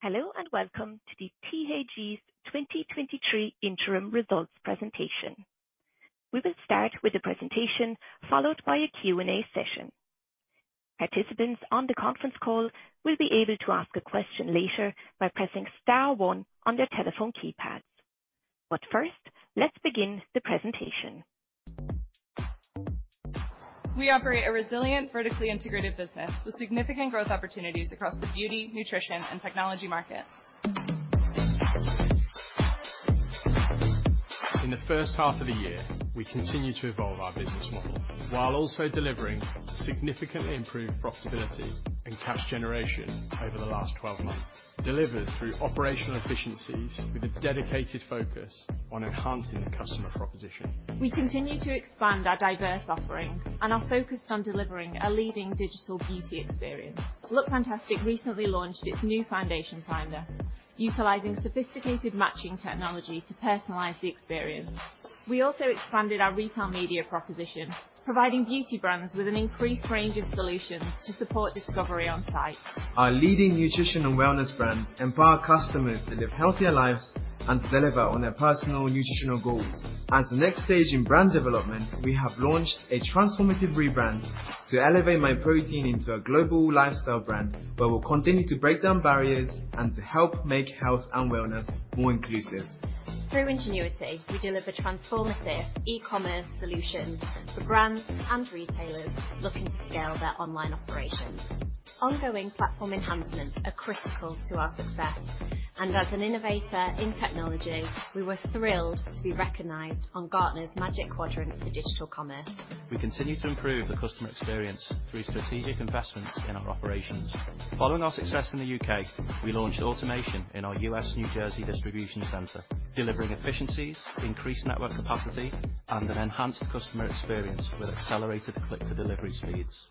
Hello, and welcome to THG's 2023 interim results presentation. We will start with the presentation, followed by a Q&A session. Participants on the conference call will be able to ask a question later by pressing star one on their telephone keypads. But first, let's begin the presentation. We operate a resilient, vertically integrated business with significant growth opportunities across the beauty, nutrition, and technology markets. In the first half of the year, we continued to evolve our business model, while also delivering significantly improved profitability and cash generation over the last 12 months, delivered through operational efficiencies with a dedicated focus on enhancing the customer proposition. We continue to expand our diverse offering and are focused on delivering a leading digital beauty experience. LOOKFANTASTIC recently launched its new Foundation Finder, utilizing sophisticated matching technology to personalize the experience. We also expanded our Retail Media proposition, providing beauty brands with an increased range of solutions to support discovery on site. Our leading nutrition and wellness brands empower customers to live healthier lives and deliver on their personal nutritional goals. As the next stage in brand development, we have launched a transformative rebrand to elevate Myprotein into a global lifestyle brand, where we'll continue to break down barriers and to help make health and wellness more inclusive. Through Ingenuity, we deliver transformative e-commerce solutions for brands and retailers looking to scale their online operations. Ongoing platform enhancements are critical to our success, and as an innovator in technology, we were thrilled to be recognized on Gartner's Magic Quadrant for Digital Commerce. We continue to improve the customer experience through strategic investments in our operations. Following our success in the U.K., we launched automation in our U.S. New Jersey distribution center, delivering efficiencies, increased network capacity, and an enhanced customer experience with accelerated click-to-delivery speeds.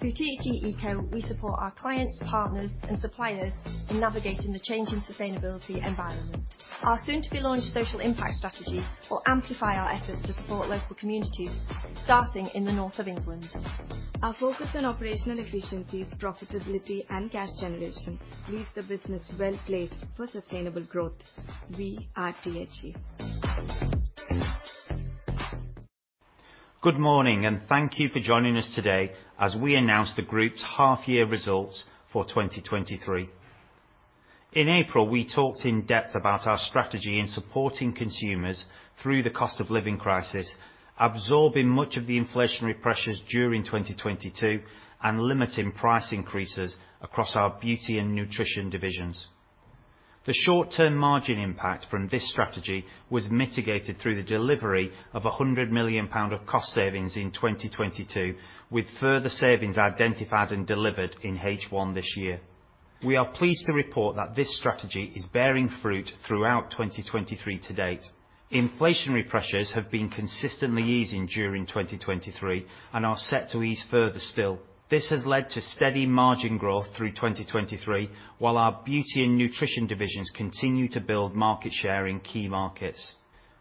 Through THG Eco, we support our clients, partners, and suppliers in navigating the changing sustainability environment. Our soon-to-be-launched social impact strategy will amplify our efforts to support local communities, starting in the north of England. Our focus on operational efficiencies, profitability, and cash generation leaves the business well-placed for sustainable growth. We are THG. Good morning, and thank you for joining us today as we announce the group's half year results for 2023. In April, we talked in depth about our strategy in supporting consumers through the cost of living crisis, absorbing much of the inflationary pressures during 2022, and limiting price increases across our beauty and nutrition divisions. The short-term margin impact from this strategy was mitigated through the delivery of 100 million pound of cost savings in 2022, with further savings identified and delivered in H1 this year. We are pleased to report that this strategy is bearing fruit throughout 2023 to date. Inflationary pressures have been consistently easing during 2023 and are set to ease further still. This has led to steady margin growth through 2023, while our beauty and nutrition divisions continue to build market share in key markets.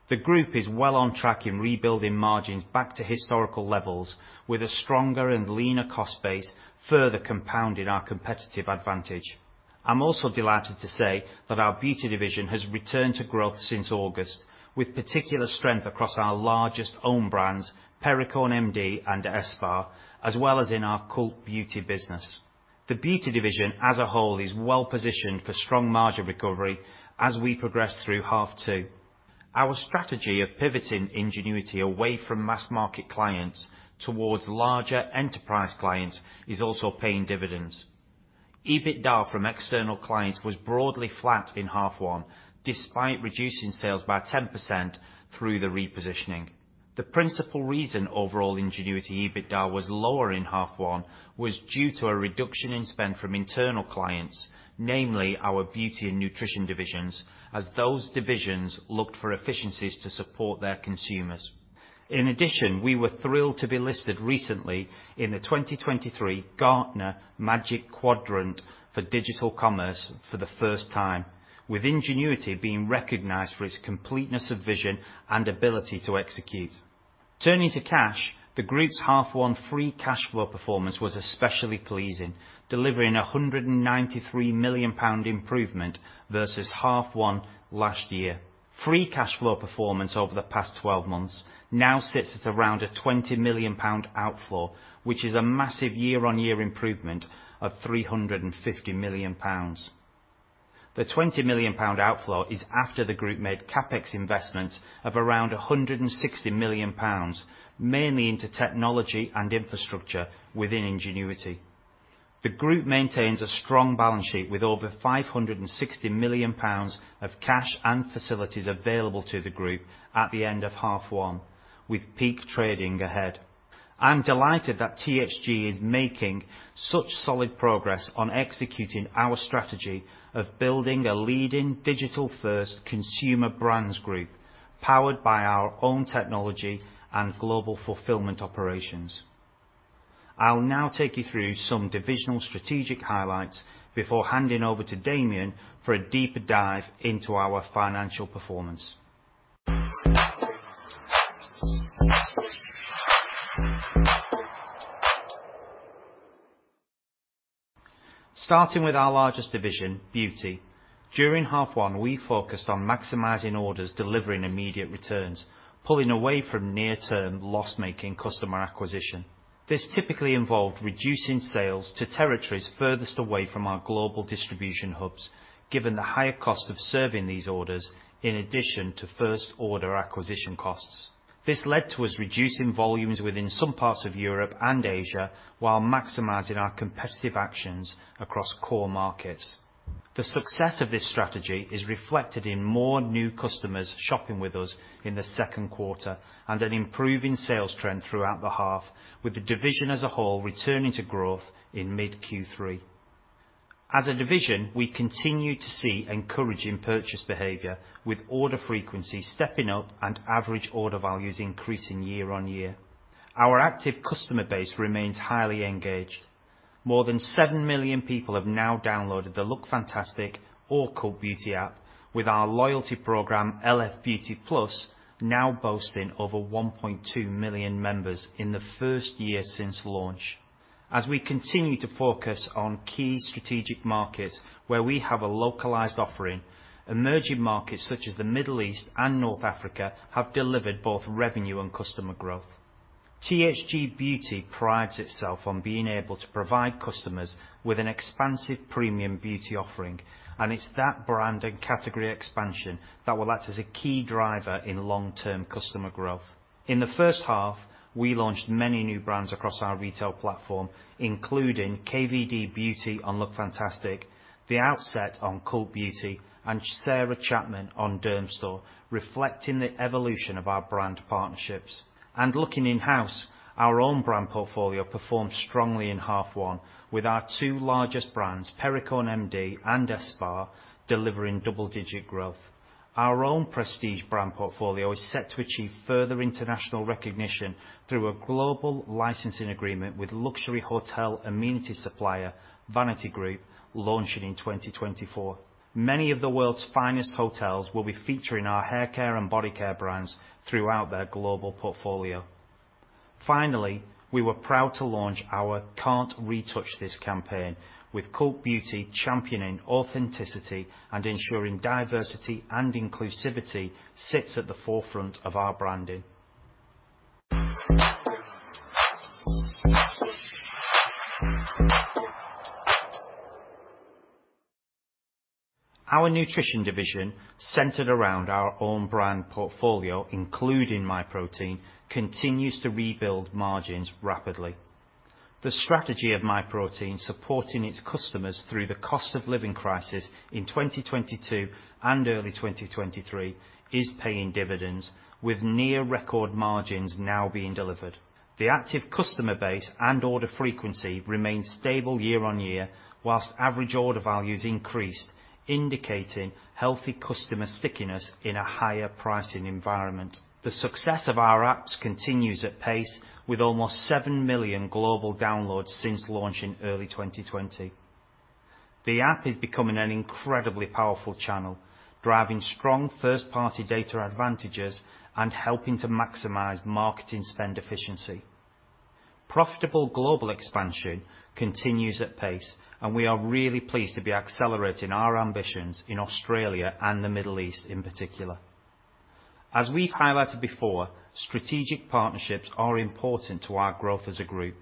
The group is well on track in rebuilding margins back to historical levels with a stronger and leaner cost base, further compounding our competitive advantage. I'm also delighted to say that our beauty division has returned to growth since August, with particular strength across our largest own brands, Perricone MD and ESPA, as well as in our Cult Beauty business. The beauty division, as a whole, is well-positioned for strong margin recovery as we progress through half two. Our strategy of pivoting Ingenuity away from mass market clients towards larger enterprise clients is also paying dividends. EBITDA from external clients was broadly flat in half one, despite reducing sales by 10% through the repositioning. The principal reason overall Ingenuity EBITDA was lower in half one was due to a reduction in spend from internal clients, namely our beauty and nutrition divisions, as those divisions looked for efficiencies to support their consumers. In addition, we were thrilled to be listed recently in the 2023 Gartner Magic Quadrant for Digital Commerce for the first time, with Ingenuity being recognized for its completeness of vision and ability to execute. Turning to cash, the group's half one free cash flow performance was especially pleasing, delivering a 193 million pound improvement versus half one last year. Free cash flow performance over the past 12 months now sits at around a 20 million pound outflow, which is a massive year-on-year improvement of 350 million pounds. The 20 million pound outflow is after the group made CapEx investments of around 160 million pounds, mainly into technology and infrastructure within Ingenuity. The group maintains a strong balance sheet with over 560 million pounds of cash and facilities available to the group at the end of half one, with peak trading ahead. I'm delighted that THG is making such solid progress on executing our strategy of building a leading digital-first consumer brands group, powered by our own technology and global fulfillment operations. I'll now take you through some divisional strategic highlights before handing over to Damian for a deeper dive into our financial performance. Starting with our largest division, Beauty. During half one, we focused on maximizing orders, delivering immediate returns, pulling away from near-term loss-making customer acquisition. This typically involved reducing sales to territories furthest away from our global distribution hubs, given the higher cost of serving these orders, in addition to first order acquisition costs. This led to us reducing volumes within some parts of Europe and Asia, while maximizing our competitive actions across core markets. The success of this strategy is reflected in more new customers shopping with us in the second quarter, and an improving sales trend throughout the half, with the division as a whole returning to growth in mid Q3. As a division, we continue to see encouraging purchase behavior, with order frequency stepping up and average order values increasing year on year. Our active customer base remains highly engaged. More than 7 million people have now downloaded the LOOKFANTASTIC or Cult Beauty app, with our loyalty program, LF Beauty Plus, now boasting over 1.2 million members in the first year since launch. As we continue to focus on key strategic markets where we have a localized offering, emerging markets such as the Middle East and North Africa have delivered both revenue and customer growth. THG Beauty prides itself on being able to provide customers with an expansive premium beauty offering, and it's that brand and category expansion that will act as a key driver in long-term customer growth. In the first half, we launched many new brands across our retail platform, including KVD Beauty on LOOKFANTASTIC, The Outset on Cult Beauty, and Sarah Chapman on Dermstore, reflecting the evolution of our brand partnerships. Looking in-house, our own brand portfolio performed strongly in half one, with our two largest brands, Perricone MD and ESPA, delivering double-digit growth. Our own prestige brand portfolio is set to achieve further international recognition through a global licensing agreement with luxury hotel amenity supplier, Vanity Group, launching in 2024. Many of the world's finest hotels will be featuring our haircare and body care brands throughout their global portfolio. Finally, we were proud to launch our Can't Retouch This campaign, with Cult Beauty championing authenticity and ensuring diversity and inclusivity sits at the forefront of our branding. Our Nutrition division, centered around our own brand portfolio, including Myprotein, continues to rebuild margins rapidly. The strategy of Myprotein, supporting its customers through the cost of living crisis in 2022 and early 2023, is paying dividends, with near record margins now being delivered. The active customer base and order frequency remains stable year on year, while average order values increased, indicating healthy customer stickiness in a higher pricing environment. The success of our apps continues at pace, with almost 7 million global downloads since launching early 2020. The app is becoming an incredibly powerful channel, driving strong first-party data advantages and helping to maximize marketing spend efficiency. Profitable global expansion continues at pace, and we are really pleased to be accelerating our ambitions in Australia and the Middle East in particular. As we've highlighted before, strategic partnerships are important to our growth as a group,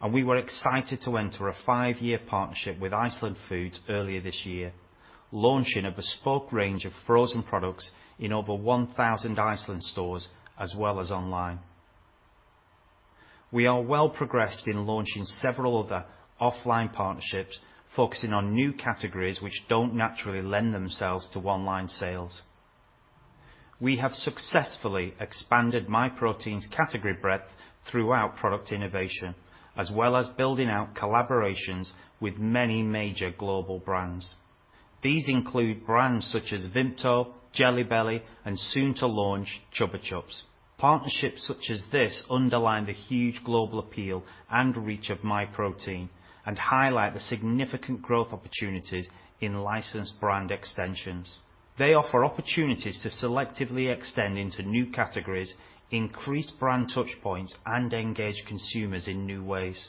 and we were excited to enter a five-year partnership with Iceland Foods earlier this year, launching a bespoke range of frozen products in over 1,000 Iceland stores, as well as online. We are well progressed in launching several other offline partnerships, focusing on new categories which don't naturally lend themselves to online sales. We have successfully expanded Myprotein's category breadth throughout product innovation, as well as building out collaborations with many major global brands. These include brands such as Vimto, Jelly Belly, and soon to launch, Chupa Chups. Partnerships such as this underline the huge global appeal and reach of Myprotein and highlight the significant growth opportunities in licensed brand extensions. They offer opportunities to selectively extend into new categories, increase brand touch points, and engage consumers in new ways.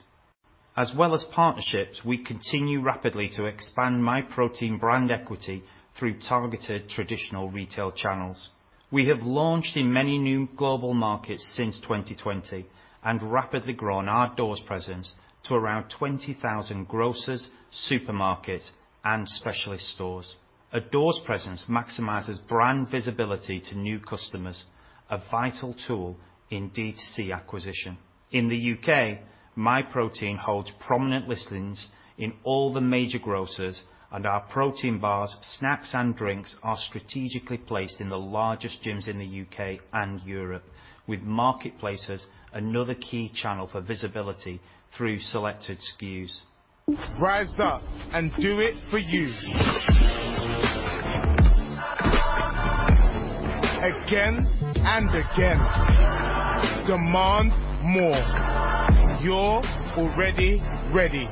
As well as partnerships, we continue rapidly to expand Myprotein brand equity through targeted traditional retail channels. We have launched in many new global markets since 2020 and rapidly grown our doors presence to around 20,000 grocers, supermarkets, and specialist stores. A store's presence maximizes brand visibility to new customers, a vital tool in D2C acquisition. In the U.K., Myprotein holds prominent listings in all the major grocers, and our protein bars, snacks, and drinks are strategically placed in the largest gyms in the U.K. and Europe, with marketplaces another key channel for visibility through selected SKUs. Rise up and do it for you. Again and again. Demand more. You're already ready....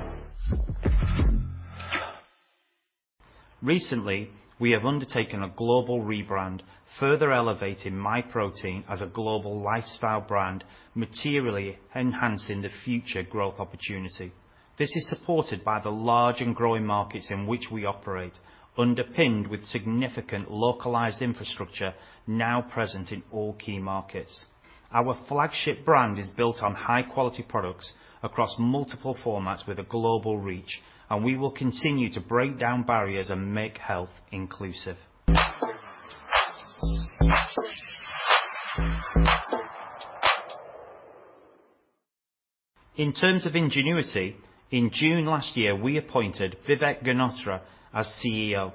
Recently, we have undertaken a global rebrand, further elevating Myprotein as a global lifestyle brand, materially enhancing the future growth opportunity. This is supported by the large and growing markets in which we operate, underpinned with significant localized infrastructure now present in all key markets. Our flagship brand is built on high-quality products across multiple formats with a global reach, and we will continue to break down barriers and make health inclusive. In terms of Ingenuity, in June last year, we appointed Vivek Ganotra as CEO,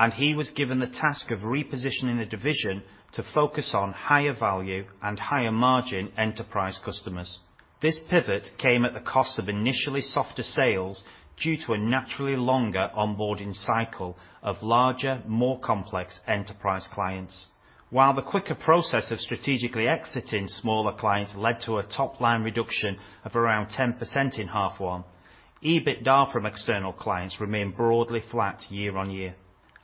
and he was given the task of repositioning the division to focus on higher value and higher margin enterprise customers. This pivot came at the cost of initially softer sales due to a naturally longer onboarding cycle of larger, more complex enterprise clients. While the quicker process of strategically exiting smaller clients led to a top-line reduction of around 10% in H1, EBITDA from external clients remained broadly flat year-on-year.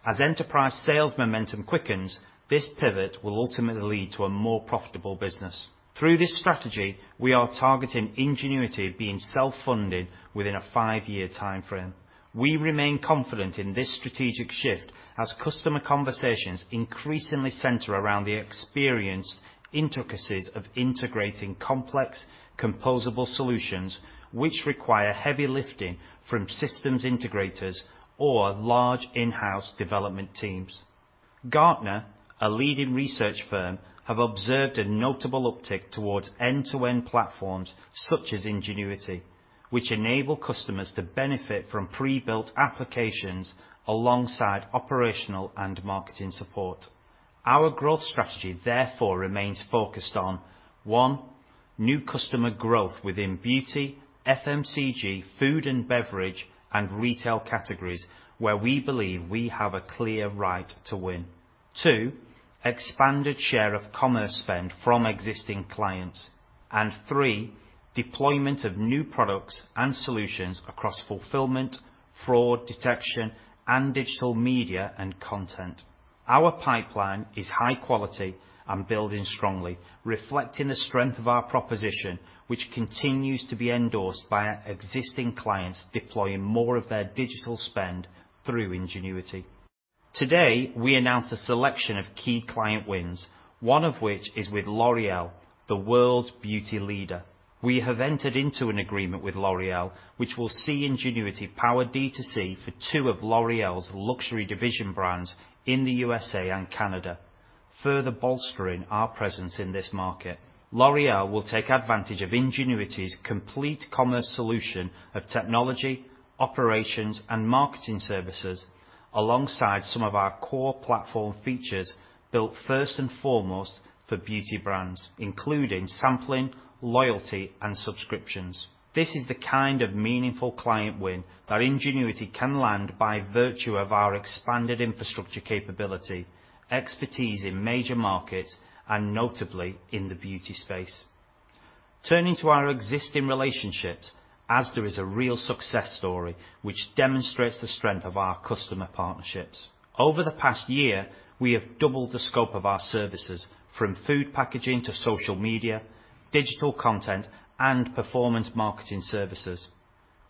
As enterprise sales momentum quickens, this pivot will ultimately lead to a more profitable business. Through this strategy, we are targeting Ingenuity being self-funded within a five-year time frame. We remain confident in this strategic shift as customer conversations increasingly center around the experienced intricacies of integrating complex, composable solutions, which require heavy lifting from systems integrators or large in-house development teams. Gartner, a leading research firm, have observed a notable uptick towards end-to-end platforms such as Ingenuity, which enable customers to benefit from pre-built applications alongside operational and marketing support. Our growth strategy, therefore, remains focused on, one, new customer growth within beauty, FMCG, food and beverage, and retail categories, where we believe we have a clear right to win. Two, expanded share of commerce spend from existing clients. Three, deployment of new products and solutions across fulfillment, fraud detection, and digital media and content. Our pipeline is high quality and building strongly, reflecting the strength of our proposition, which continues to be endorsed by our existing clients, deploying more of their digital spend through Ingenuity. Today, we announced a selection of key client wins, one of which is with L'Oréal, the world's beauty leader. We have entered into an agreement with L'Oréal, which will see Ingenuity power D2C for two of L'Oréal's luxury division brands in the USA and Canada, further bolstering our presence in this market. L'Oréal will take advantage of Ingenuity's complete commerce solution of technology, operations, and marketing services, alongside some of our core platform features, built first and foremost for beauty brands, including sampling, loyalty, and subscriptions. This is the kind of meaningful client win that Ingenuity can land by virtue of our expanded infrastructure capability, expertise in major markets, and notably in the beauty space. Turning to our existing relationships, Asda is a real success story which demonstrates the strength of our customer partnerships. Over the past year, we have doubled the scope of our services, from food packaging to social media, digital content, and performance marketing services.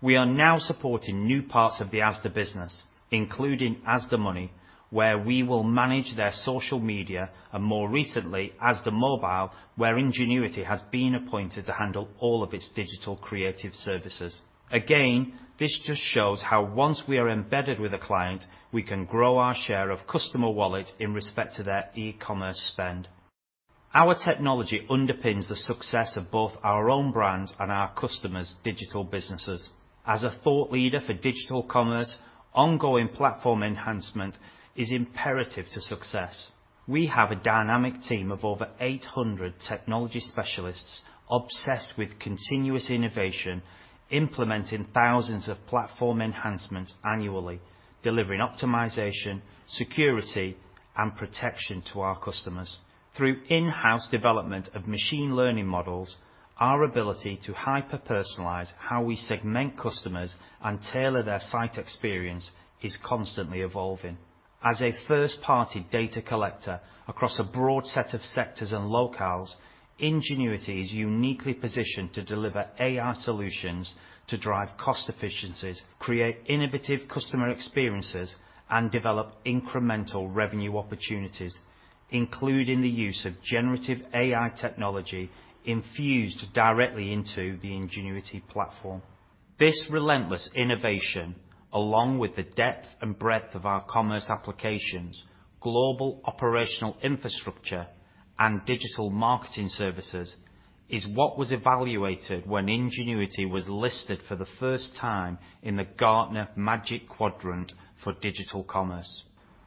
We are now supporting new parts of the Asda Business, including Asda Money, where we will manage their social media, and more recently, Asda Mobile, where Ingenuity has been appointed to handle all of its digital creative services. Again, this just shows how once we are embedded with a client, we can grow our share of customer wallet in respect to their e-commerce spend. Our technology underpins the success of both our own brands and our customers' digital businesses. As a thought leader for digital commerce, ongoing platform enhancement is imperative to success. We have a dynamic team of over 800 technology specialists, obsessed with continuous innovation, implementing thousands of platform enhancements annually, delivering optimization, security, and protection to our customers. Through in-house development of Machine Learning models, our ability to hyper-personalize how we segment customers and tailor their site experience is constantly evolving. As a First-Party Data collector across a broad set of sectors and locales, Ingenuity is uniquely positioned to deliver AI solutions to drive cost efficiencies, create innovative customer experiences, and develop incremental revenue opportunities, including the use of Generative AI technology infused directly into the Ingenuity platform. This relentless innovation, along with the depth and breadth of our commerce applications, global operational infrastructure, and digital marketing services, is what was evaluated when Ingenuity was listed for the first time in the Gartner Magic Quadrant for Digital Commerce.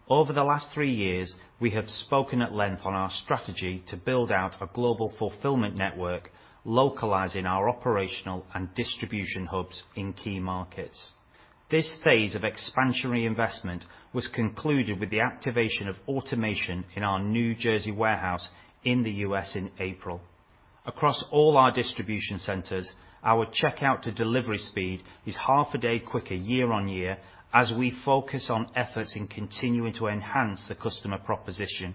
Over the last three years, we have spoken at length on our strategy to build out a global fulfillment network, localizing our operational and distribution hubs in key markets. This phase of expansionary investment was concluded with the activation of automation in our New Jersey warehouse in the U.S. in April. Across all our distribution centers, our checkout to delivery speed is half a day quicker year-over-year, as we focus on efforts in continuing to enhance the customer proposition,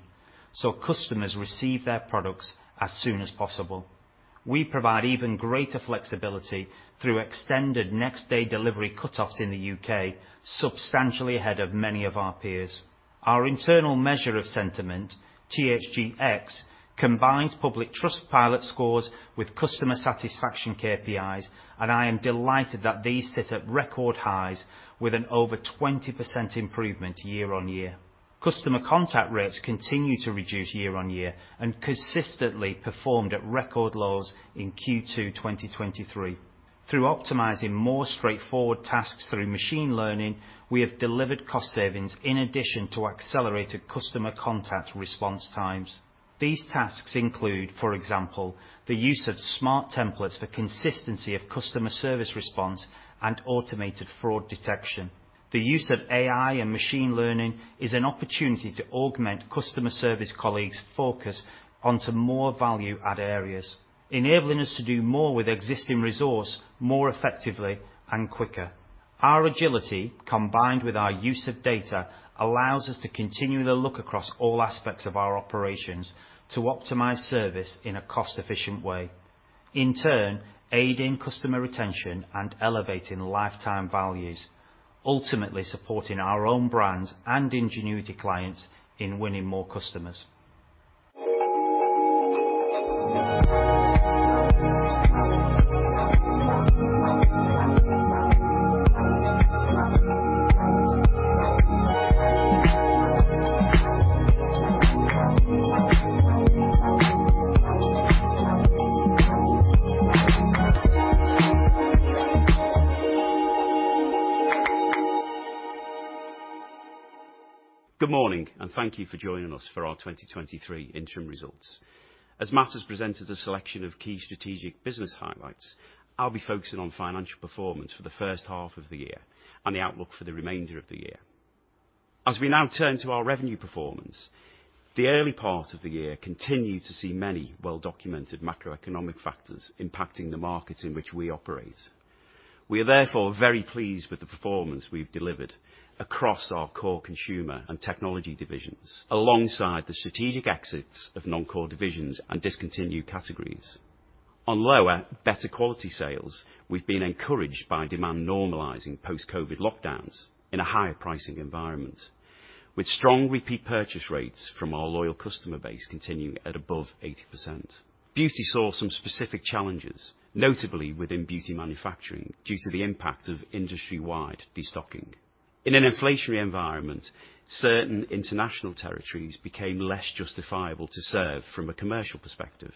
so customers receive their products as soon as possible. We provide even greater flexibility through extended next-day delivery cutoffs in the U.K., substantially ahead of many of our peers. Our internal measure of sentiment, THGX, combines public Trustpilot scores with customer satisfaction KPIs, and I am delighted that these sit at record highs with an over 20% improvement year-on-year. Customer contact rates continue to reduce year-on-year, and consistently performed at record lows in Q2 2023. Through optimizing more straightforward tasks through machine learning, we have delivered cost savings in addition to accelerated customer contact response times. These tasks include, for example, the use of smart templates for consistency of customer service response and automated fraud detection. The use of AI and machine learning is an opportunity to augment customer service colleagues' focus onto more value-add areas, enabling us to do more with existing resource, more effectively and quicker. Our agility, combined with our use of data, allows us to continually look across all aspects of our operations to optimize service in a cost-efficient way. In turn, aiding customer retention and elevating lifetime values, ultimately supporting our own brands and Ingenuity clients in winning more customers. Good morning, and thank you for joining us for our 2023 interim results. As Matt has presented a selection of key strategic business highlights, I'll be focusing on financial performance for the first half of the year and the outlook for the remainder of the year. As we now turn to our revenue performance, the early part of the year continued to see many well-documented macroeconomic factors impacting the markets in which we operate. We are therefore very pleased with the performance we've delivered across our core consumer and technology divisions, alongside the strategic exits of non-core divisions and discontinued categories. On lower, better quality sales, we've been encouraged by demand normalizing post-COVID lockdowns in a higher pricing environment, with strong repeat purchase rates from our loyal customer base continuing at above 80%. Beauty saw some specific challenges, notably within beauty manufacturing, due to the impact of industry-wide destocking. In an inflationary environment, certain international territories became less justifiable to serve from a commercial perspective.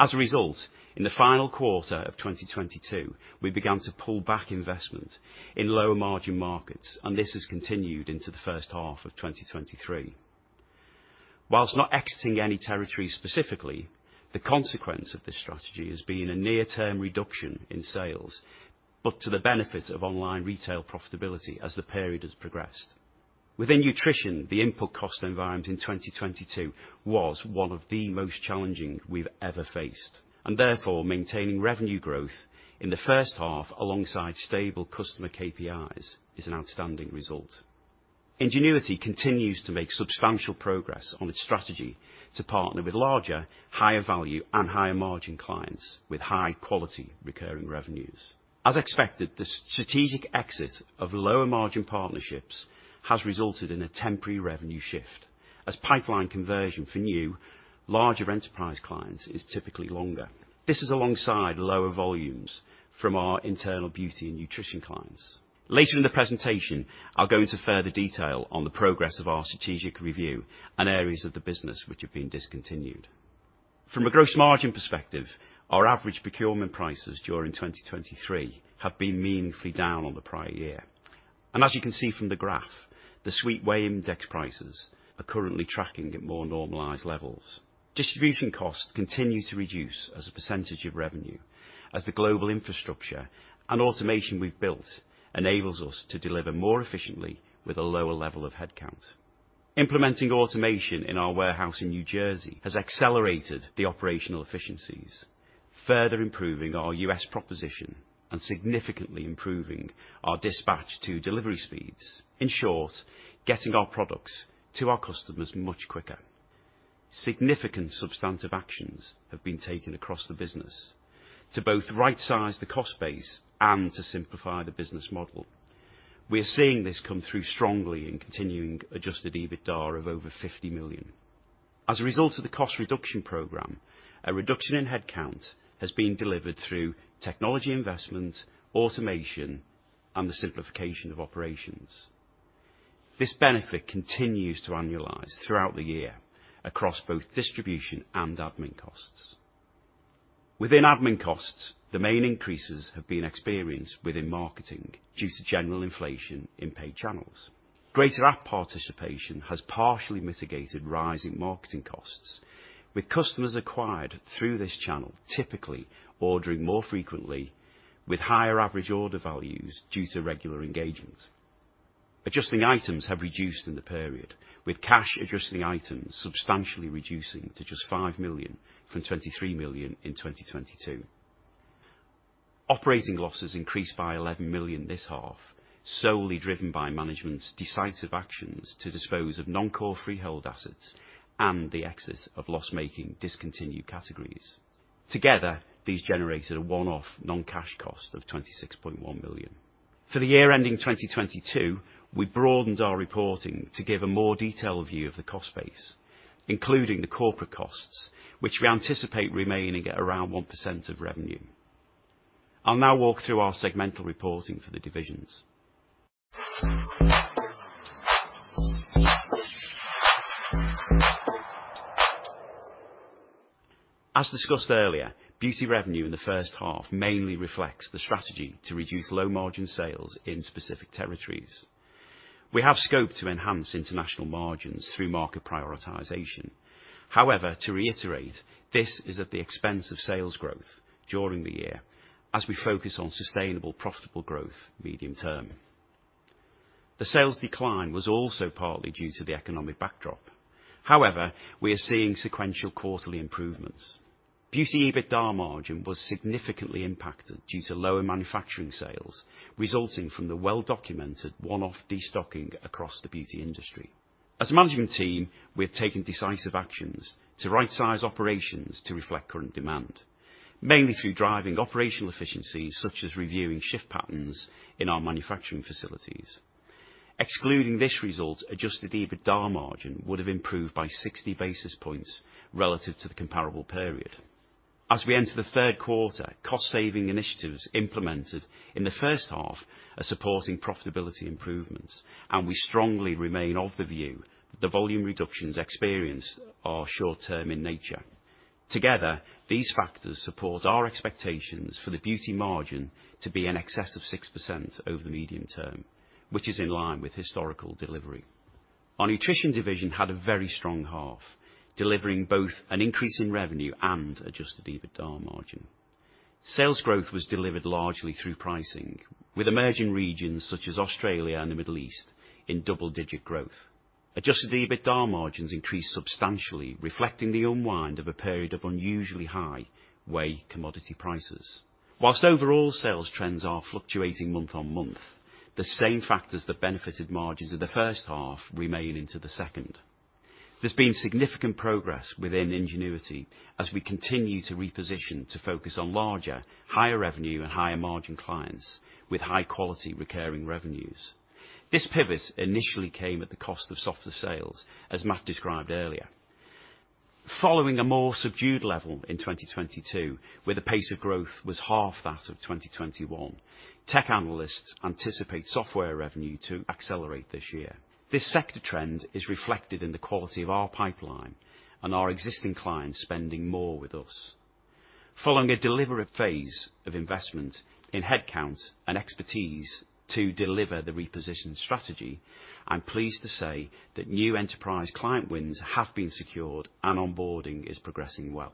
As a result, in the final quarter of 2022, we began to pull back investment in lower margin markets, and this has continued into the first half of 2023. While not exiting any territory specifically, the consequence of this strategy has been a near-term reduction in sales, but to the benefit of online retail profitability as the period has progressed. Within nutrition, the input cost environment in 2022 was one of the most challenging we've ever faced, and therefore, maintaining revenue growth in the first half, alongside stable customer KPIs, is an outstanding result. Ingenuity continues to make substantial progress on its strategy to partner with larger, higher value and higher margin clients with high-quality recurring revenues. As expected, the strategic exit of lower margin partnerships has resulted in a temporary revenue shift, as pipeline conversion for new, larger enterprise clients is typically longer. This is alongside lower volumes from our internal beauty and nutrition clients. Later in the presentation, I'll go into further detail on the progress of our strategic review and areas of the business which have been discontinued. From a gross margin perspective, our average procurement prices during 2023 have been meaningfully down on the prior year. As you can see from the graph, the Sweet Whey Index prices are currently tracking at more normalized levels. Distribution costs continue to reduce as a percentage of revenue, as the global infrastructure and automation we've built enables us to deliver more efficiently with a lower level of headcount. Implementing automation in our warehouse in New Jersey has accelerated the operational efficiencies, further improving our U.S. proposition, and significantly improving our dispatch to delivery speeds. In short, getting our products to our customers much quicker. Significant substantive actions have been taken across the business to both right size the cost base and to simplify the business model. We are seeing this come through strongly in continuing Adjusted EBITDA of over £50 million. As a result of the cost reduction program, a reduction in headcount has been delivered through technology investment, automation, and the simplification of operations. This benefit continues to annualize throughout the year across both distribution and admin costs. Within admin costs, the main increases have been experienced within marketing due to general inflation in paid channels. Greater app participation has partially mitigated rising marketing costs, with customers acquired through this channel, typically ordering more frequently with higher average order values due to regular engagement. Adjustment items have reduced in the period, with cash adjustment items substantially reducing to just 5 million from 23 million in 2022. Operating losses increased by 11 million this half, solely driven by management's decisive actions to dispose of non-core freehold assets and the exit of loss-making discontinued categories. Together, these generated a one-off non-cash cost of 26.1 million. For the year ending 2022, we broadened our reporting to give a more detailed view of the cost base, including the corporate costs, which we anticipate remaining at around 1% of revenue. I'll now walk through our segmental reporting for the divisions. As discussed earlier, beauty revenue in the first half mainly reflects the strategy to reduce low-margin sales in specific territories. We have scope to enhance international margins through market prioritization. However, to reiterate, this is at the expense of sales growth during the year, as we focus on sustainable, profitable growth medium term. The sales decline was also partly due to the economic backdrop. However, we are seeing sequential quarterly improvements. Beauty EBITDA margin was significantly impacted due to lower manufacturing sales, resulting from the well-documented one-off destocking across the beauty industry. As a management team, we have taken decisive actions to right size operations to reflect current demand, mainly through driving operational efficiencies, such as reviewing shift patterns in our manufacturing facilities. Excluding this result, adjusted EBITDA margin would have improved by 60 basis points relative to the comparable period. As we enter the third quarter, cost-saving initiatives implemented in the first half are supporting profitability improvements, and we strongly remain of the view that the volume reductions experienced are short-term in nature. Together, these factors support our expectations for the beauty margin to be in excess of 6% over the medium term, which is in line with historical delivery. Our nutrition division had a very strong half, delivering both an increase in revenue and adjusted EBITDA margin. Sales growth was delivered largely through pricing, with emerging regions such as Australia and the Middle East in double-digit growth. Adjusted EBITDA margins increased substantially, reflecting the unwind of a period of unusually high whey commodity prices. While overall sales trends are fluctuating month-on-month, the same factors that benefited margins in the first half remain into the second. There's been significant progress within Ingenuity as we continue to reposition to focus on larger, higher revenue and higher margin clients with high-quality, recurring revenues. This pivot initially came at the cost of softer sales, as Matt described earlier. Following a more subdued level in 2022, where the pace of growth was half that of 2021, tech analysts anticipate software revenue to accelerate this year. This sector trend is reflected in the quality of our pipeline and our existing clients spending more with us. Following a deliberate phase of investment in headcount and expertise to deliver the repositioned strategy, I'm pleased to say that new enterprise client wins have been secured and onboarding is progressing well.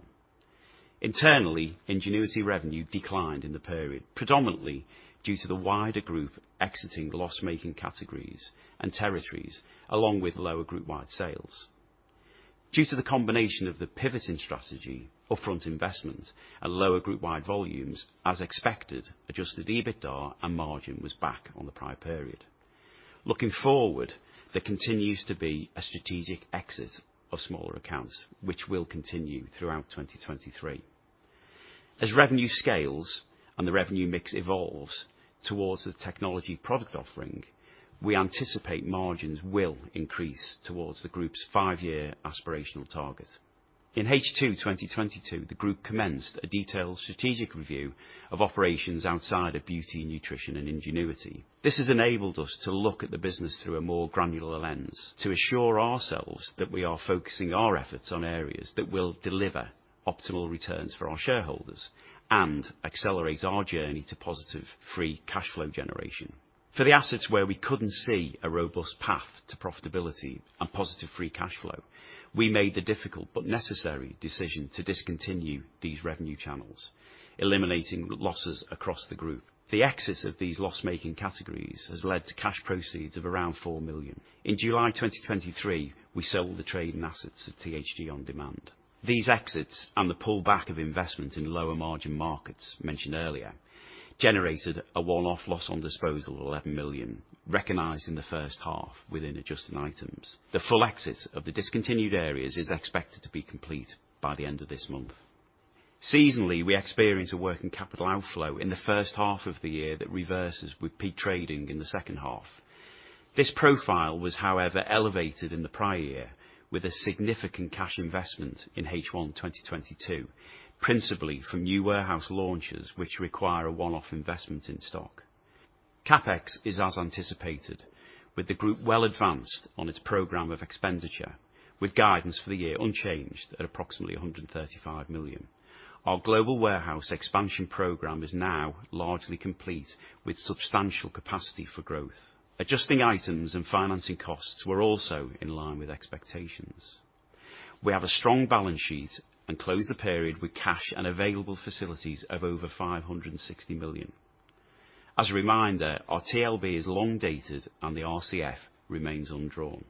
Internally, Ingenuity revenue declined in the period, predominantly due to the wider group exiting the loss-making categories and territories, along with lower group-wide sales. Due to the combination of the pivoting strategy, upfront investment, and lower group-wide volumes, as expected, Adjusted EBITDA and margin was back on the prior period. Looking forward, there continues to be a strategic exit of smaller accounts, which will continue throughout 2023. As revenue scales and the revenue mix evolves towards the technology product offering, we anticipate margins will increase towards the Group's five-year aspirational target. In H2-2022, the Group commenced a detailed strategic review of operations outside of beauty, nutrition, and Ingenuity. This has enabled us to look at the business through a more granular lens to assure ourselves that we are focusing our efforts on areas that will deliver optimal returns for our shareholders and accelerate our journey to positive free cash flow generation. For the assets where we couldn't see a robust path to profitability and positive free cash flow, we made the difficult but necessary decision to discontinue these revenue channels, eliminating the losses across the Group. The exits of these loss-making categories has led to cash proceeds of around 4 million. In July 2023, we sold the trading assets of THG OnDemand. These exits and the pullback of investment in lower-margin markets mentioned earlier, generated a one-off loss on disposal of 11 million, recognized in the first half within adjusting items. The full exit of the discontinued areas is expected to be complete by the end of this month. Seasonally, we experience a working capital outflow in the first half of the year that reverses with peak trading in the second half. This profile was, however, elevated in the prior year, with a significant cash investment in H1 2022, principally from new warehouse launches, which require a one-off investment in stock. CapEx is as anticipated, with the Group well advanced on its program of expenditure, with guidance for the year unchanged at approximately 135 million. Our global warehouse expansion program is now largely complete, with substantial capacity for growth. Adjusting items and financing costs were also in line with expectations. We have a strong balance sheet, and closed the period with cash and available facilities of over 560 million. As a reminder, our TLB is long dated, and the RCF remains undrawn.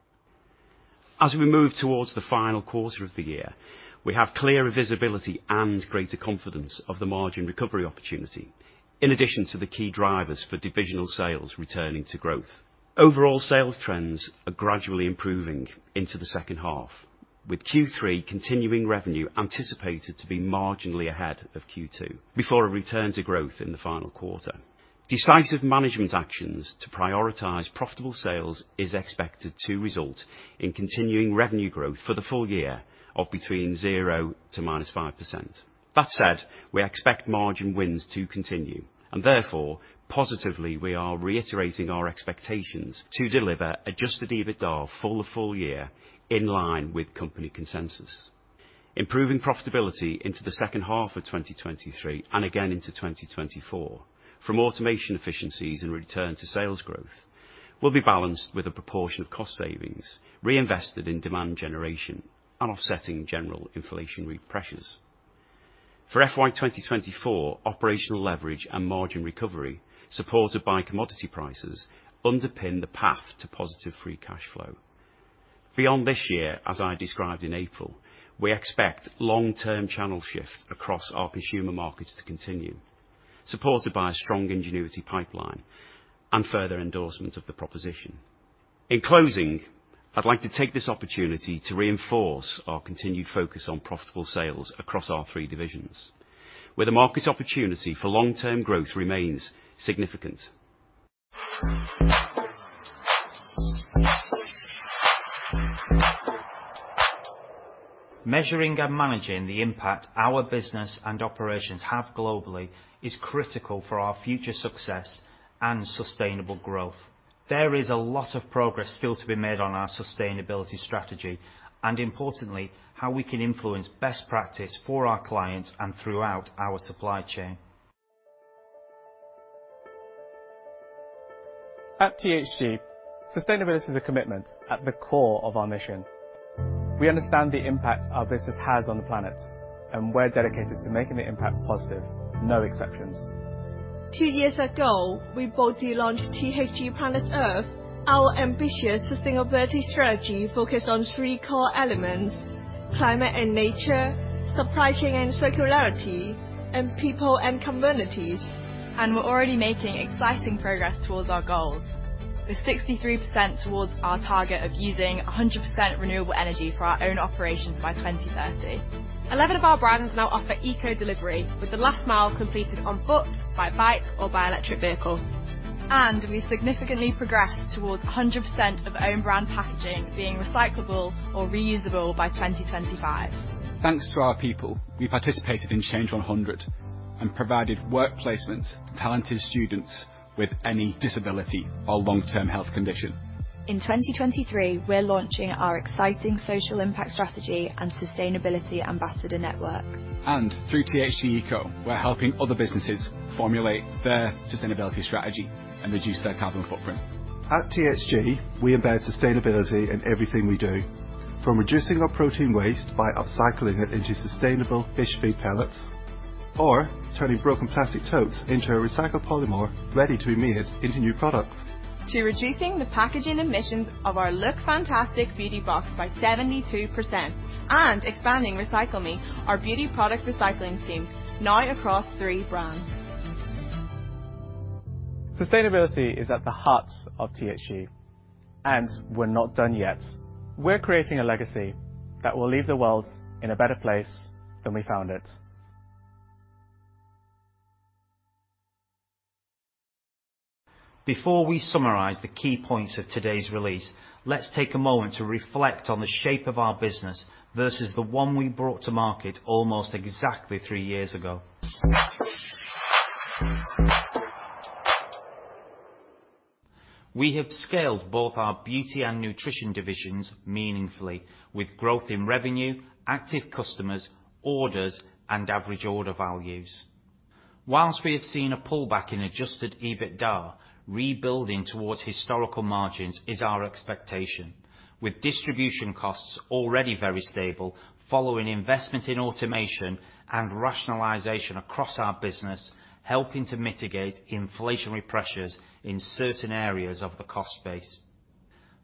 As we move towards the final quarter of the year, we have clearer visibility and greater confidence of the margin recovery opportunity, in addition to the key drivers for divisional sales returning to growth. Overall sales trends are gradually improving into the second half, with Q3 continuing revenue anticipated to be marginally ahead of Q2, before a return to growth in the final quarter. Decisive management actions to prioritize profitable sales is expected to result in continuing revenue growth for the full year of between 0% to -5%. That said, we expect margin wins to continue, and therefore, positively, we are reiterating our expectations to deliver Adjusted EBITDA full to full year, in line with company consensus. Improving profitability into the second half of 2023, and again into 2024, from automation efficiencies and return to sales growth, will be balanced with a proportion of cost savings reinvested in demand generation and offsetting general inflationary pressures. For FY 2024, operational leverage and margin recovery, supported by commodity prices, underpin the path to positive free cash flow. Beyond this year, as I described in April, we expect long-term channel shift across our consumer markets to continue, supported by a strong Ingenuity pipeline and further endorsement of the proposition. In closing, I'd like to take this opportunity to reinforce our continued focus on profitable sales across our three divisions, where the market opportunity for long-term growth remains significant. Measuring and managing the impact our business and operations have globally is critical for our future success and sustainable growth. There is a lot of progress still to be made on our sustainability strategy, and importantly, how we can influence best practice for our clients and throughout our supply chain. At THG, sustainability is a commitment at the core of our mission. We understand the impact our business has on the planet, and we're dedicated to making the impact positive, no exceptions. Two years ago, we boldly launched THG Planet Earth. Our ambitious sustainability strategy focused on three core elements: climate and nature, supply chain and circularity, and people and communities. We're already making exciting progress towards our goals, with 63% towards our target of using 100% renewable energy for our own operations by 2030. 11 of our brands now offer eco delivery, with the last mile completed on foot, by bike, or by electric vehicle. We've significantly progressed towards 100% of own brand packaging being recyclable or reusable by 2025. Thanks to our people, we participated in Change100, and provided work placements to talented students with any disability or long-term health condition. In 2023, we're launching our exciting social impact strategy and sustainability ambassador network. Through THG Eco, we're helping other businesses formulate their sustainability strategy and reduce their carbon footprint. At THG, we embed sustainability in everything we do, from reducing our protein waste by upcycling it into sustainable fish feed pellets, or turning broken plastic totes into a recycled polymer ready to be made into new products. To reducing the packaging emissions of our LOOKFANTASTIC Beauty Box by 72%, and expanding Recycle Me, our beauty product recycling scheme, now across three brands. Sustainability is at the heart of THG, and we're not done yet. We're creating a legacy that will leave the world in a better place than we found it. Before we summarize the key points of today's release, let's take a moment to reflect on the shape of our business versus the one we brought to market almost exactly 3 years ago. We have scaled both our beauty and nutrition divisions meaningfully, with growth in revenue, active customers, orders, and average order values. Whilst we have seen a pullback in Adjusted EBITDA, rebuilding towards historical margins is our expectation, with distribution costs already very stable, following investment in automation and rationalization across our business, helping to mitigate inflationary pressures in certain areas of the cost base.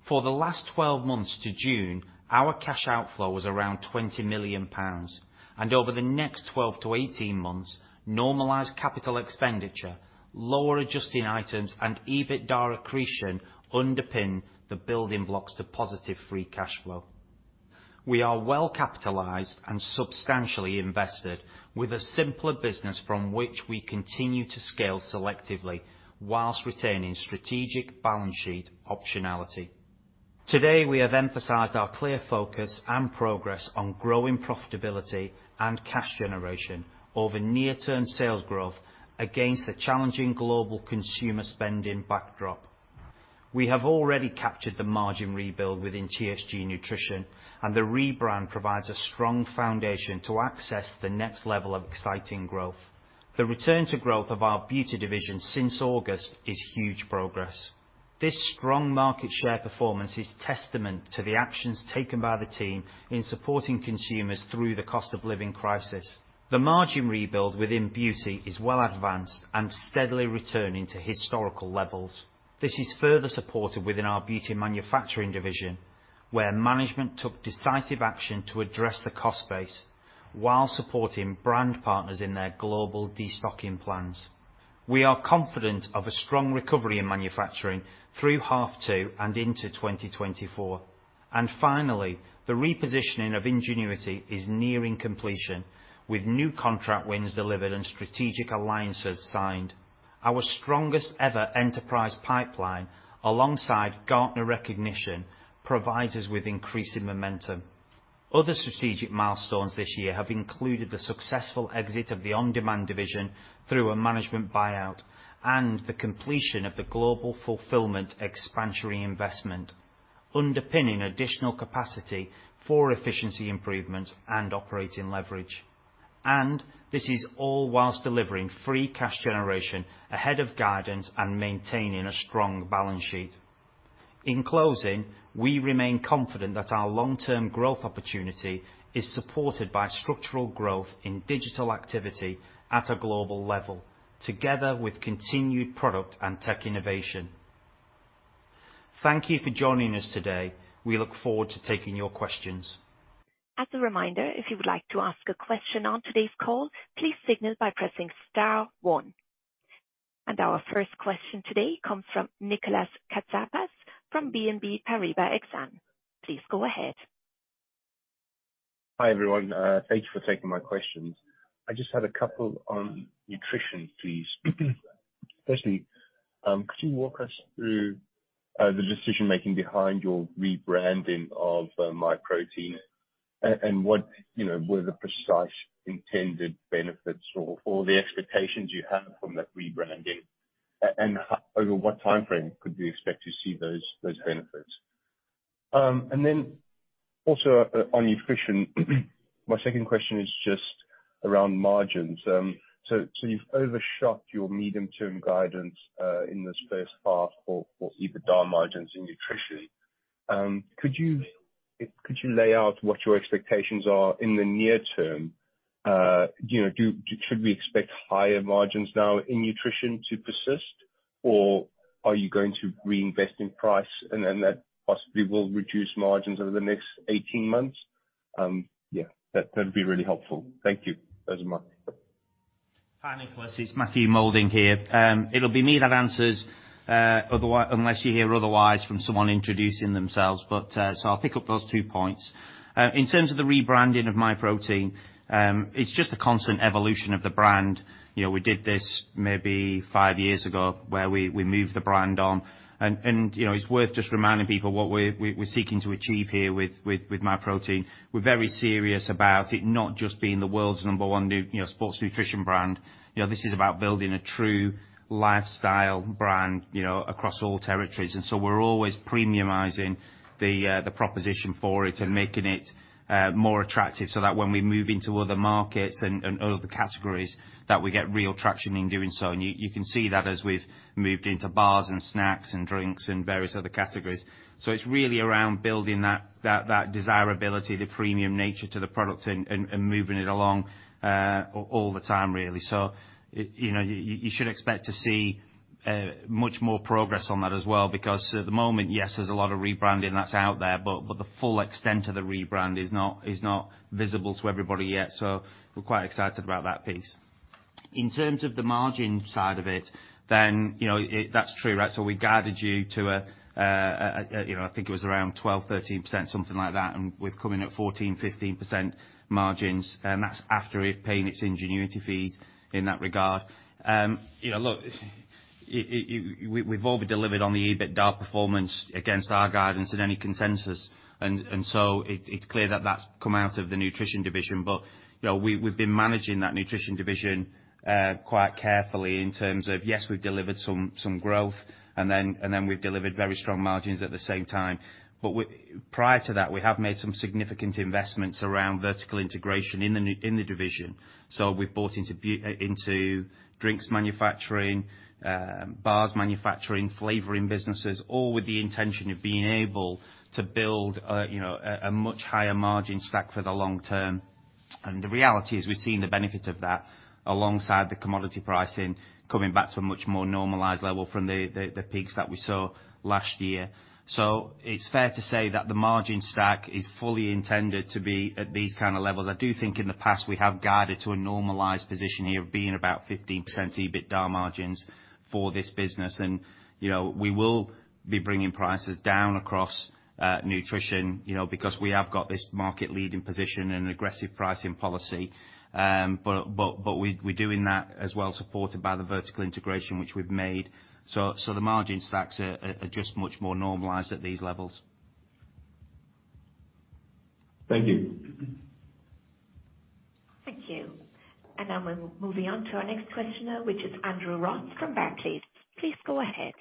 For the last 12 months to June, our cash outflow was around 20 million pounds, and over the next 12-18 months, normalized capital expenditure, lower adjusting items, and EBITDA accretion underpin the building blocks to positive free cash flow. We are well capitalized and substantially invested with a simpler business from which we continue to scale selectively, while retaining strategic balance sheet optionality. Today, we have emphasized our clear focus and progress on growing profitability and cash generation over near-term sales growth against a challenging global consumer spending backdrop. We have already captured the margin rebuild within THG Nutrition, and the rebrand provides a strong foundation to access the next level of exciting growth. The return to growth of our beauty division since August is huge progress.... This strong market share performance is testament to the actions taken by the team in supporting consumers through the cost of living crisis. The margin rebuild within beauty is well advanced and steadily returning to historical levels. This is further supported within our beauty manufacturing division, where management took decisive action to address the cost base while supporting brand partners in their global destocking plans. We are confident of a strong recovery in manufacturing through H2 and into 2024. Finally, the repositioning of Ingenuity is nearing completion, with new contract wins delivered and strategic alliances signed. Our strongest ever enterprise pipeline, alongside Gartner recognition, provides us with increasing momentum. Other strategic milestones this year have included the successful exit of the OnDemand division through a management buyout, and the completion of the global fulfillment expansionary investment, underpinning additional capacity for efficiency improvements and operating leverage. This is all while delivering free cash generation ahead of guidance and maintaining a strong balance sheet. In closing, we remain confident that our long-term growth opportunity is supported by structural growth in digital activity at a global level, together with continued product and tech innovation. Thank you for joining us today. We look forward to taking your questions. As a reminder, if you would like to ask a question on today's call, please signal by pressing star one. And our first question today comes from Nicolas Katsapas, from BNP Paribas Exane. Please go ahead. Hi, everyone. Thank you for taking my questions. I just had a couple on nutrition, please. Firstly, could you walk us through the decision-making behind your rebranding of Myprotein, and what, you know, were the precise intended benefits or the expectations you have from that rebranding? And over what timeframe could we expect to see those benefits? And then also, on nutrition, my second question is just around margins. So, you've overshot your medium-term guidance in this first half for EBITDA margins in nutrition. Could you lay out what your expectations are in the near term? You know, should we expect higher margins now in nutrition to persist, or are you going to reinvest in price, and then that possibly will reduce margins over the next 18 months? Yeah, that'd be really helpful. Thank you, very much. Hi, Nicholas. It's Matthew Moulding here. It'll be me that answers, otherwise, unless you hear otherwise from someone introducing themselves. But, so I'll pick up those two points. In terms of the rebranding of Myprotein, it's just the constant evolution of the brand. You know, we did this maybe five years ago, where we moved the brand on. And, you know, it's worth just reminding people what we're seeking to achieve here with Myprotein. We're very serious about it not just being the world's number one, you know, sports nutrition brand. You know, this is about building a true lifestyle brand, you know, across all territories. And so we're always premiumizing the proposition for it and making it more attractive, so that when we move into other markets and other categories, that we get real traction in doing so. And you can see that as we've moved into bars and snacks and drinks and various other categories. So it's really around building that desirability, the premium nature to the product, and moving it along all the time, really. So you know, you should expect to see much more progress on that as well, because at the moment, yes, there's a lot of rebranding that's out there, but the full extent of the rebrand is not visible to everybody yet. So we're quite excited about that piece. In terms of the margin side of it, then, you know, that's true, right? So we guided you to around 12%-13%, something like that, and we've come in at 14%-15% margins, that's after it paying its Ingenuity fees, in that regard. You know, look, we've over-delivered on the EBITDA performance against our guidance and any consensus. And so, it's clear that that's come out of the nutrition division. But, you know, we've been managing that nutrition division quite carefully in terms of, yes, we've delivered some growth, and then we've delivered very strong margins at the same time. But prior to that, we have made some significant investments around vertical integration in the division. So we've bought into drinks manufacturing, bars manufacturing, flavoring businesses, all with the intention of being able to build a, you know, much higher margin stack for the long term. And the reality is, we've seen the benefit of that alongside the commodity pricing, coming back to a much more normalized level from the peaks that we saw last year. So it's fair to say that the margin stack is fully intended to be at these kind of levels. I do think in the past, we have guided to a normalized position here, of being about 15% EBITDA margins for this business. And, you know, we will be bringing prices down across nutrition, you know, because we have got this market-leading position and aggressive pricing policy. But we're doing that as well, supported by the vertical integration which we've made. So the margin stacks are just much more normalized at these levels. Thank you. Thank you. Now we're moving on to our next questioner, which is Andrew Ross from Barclays. Please go ahead....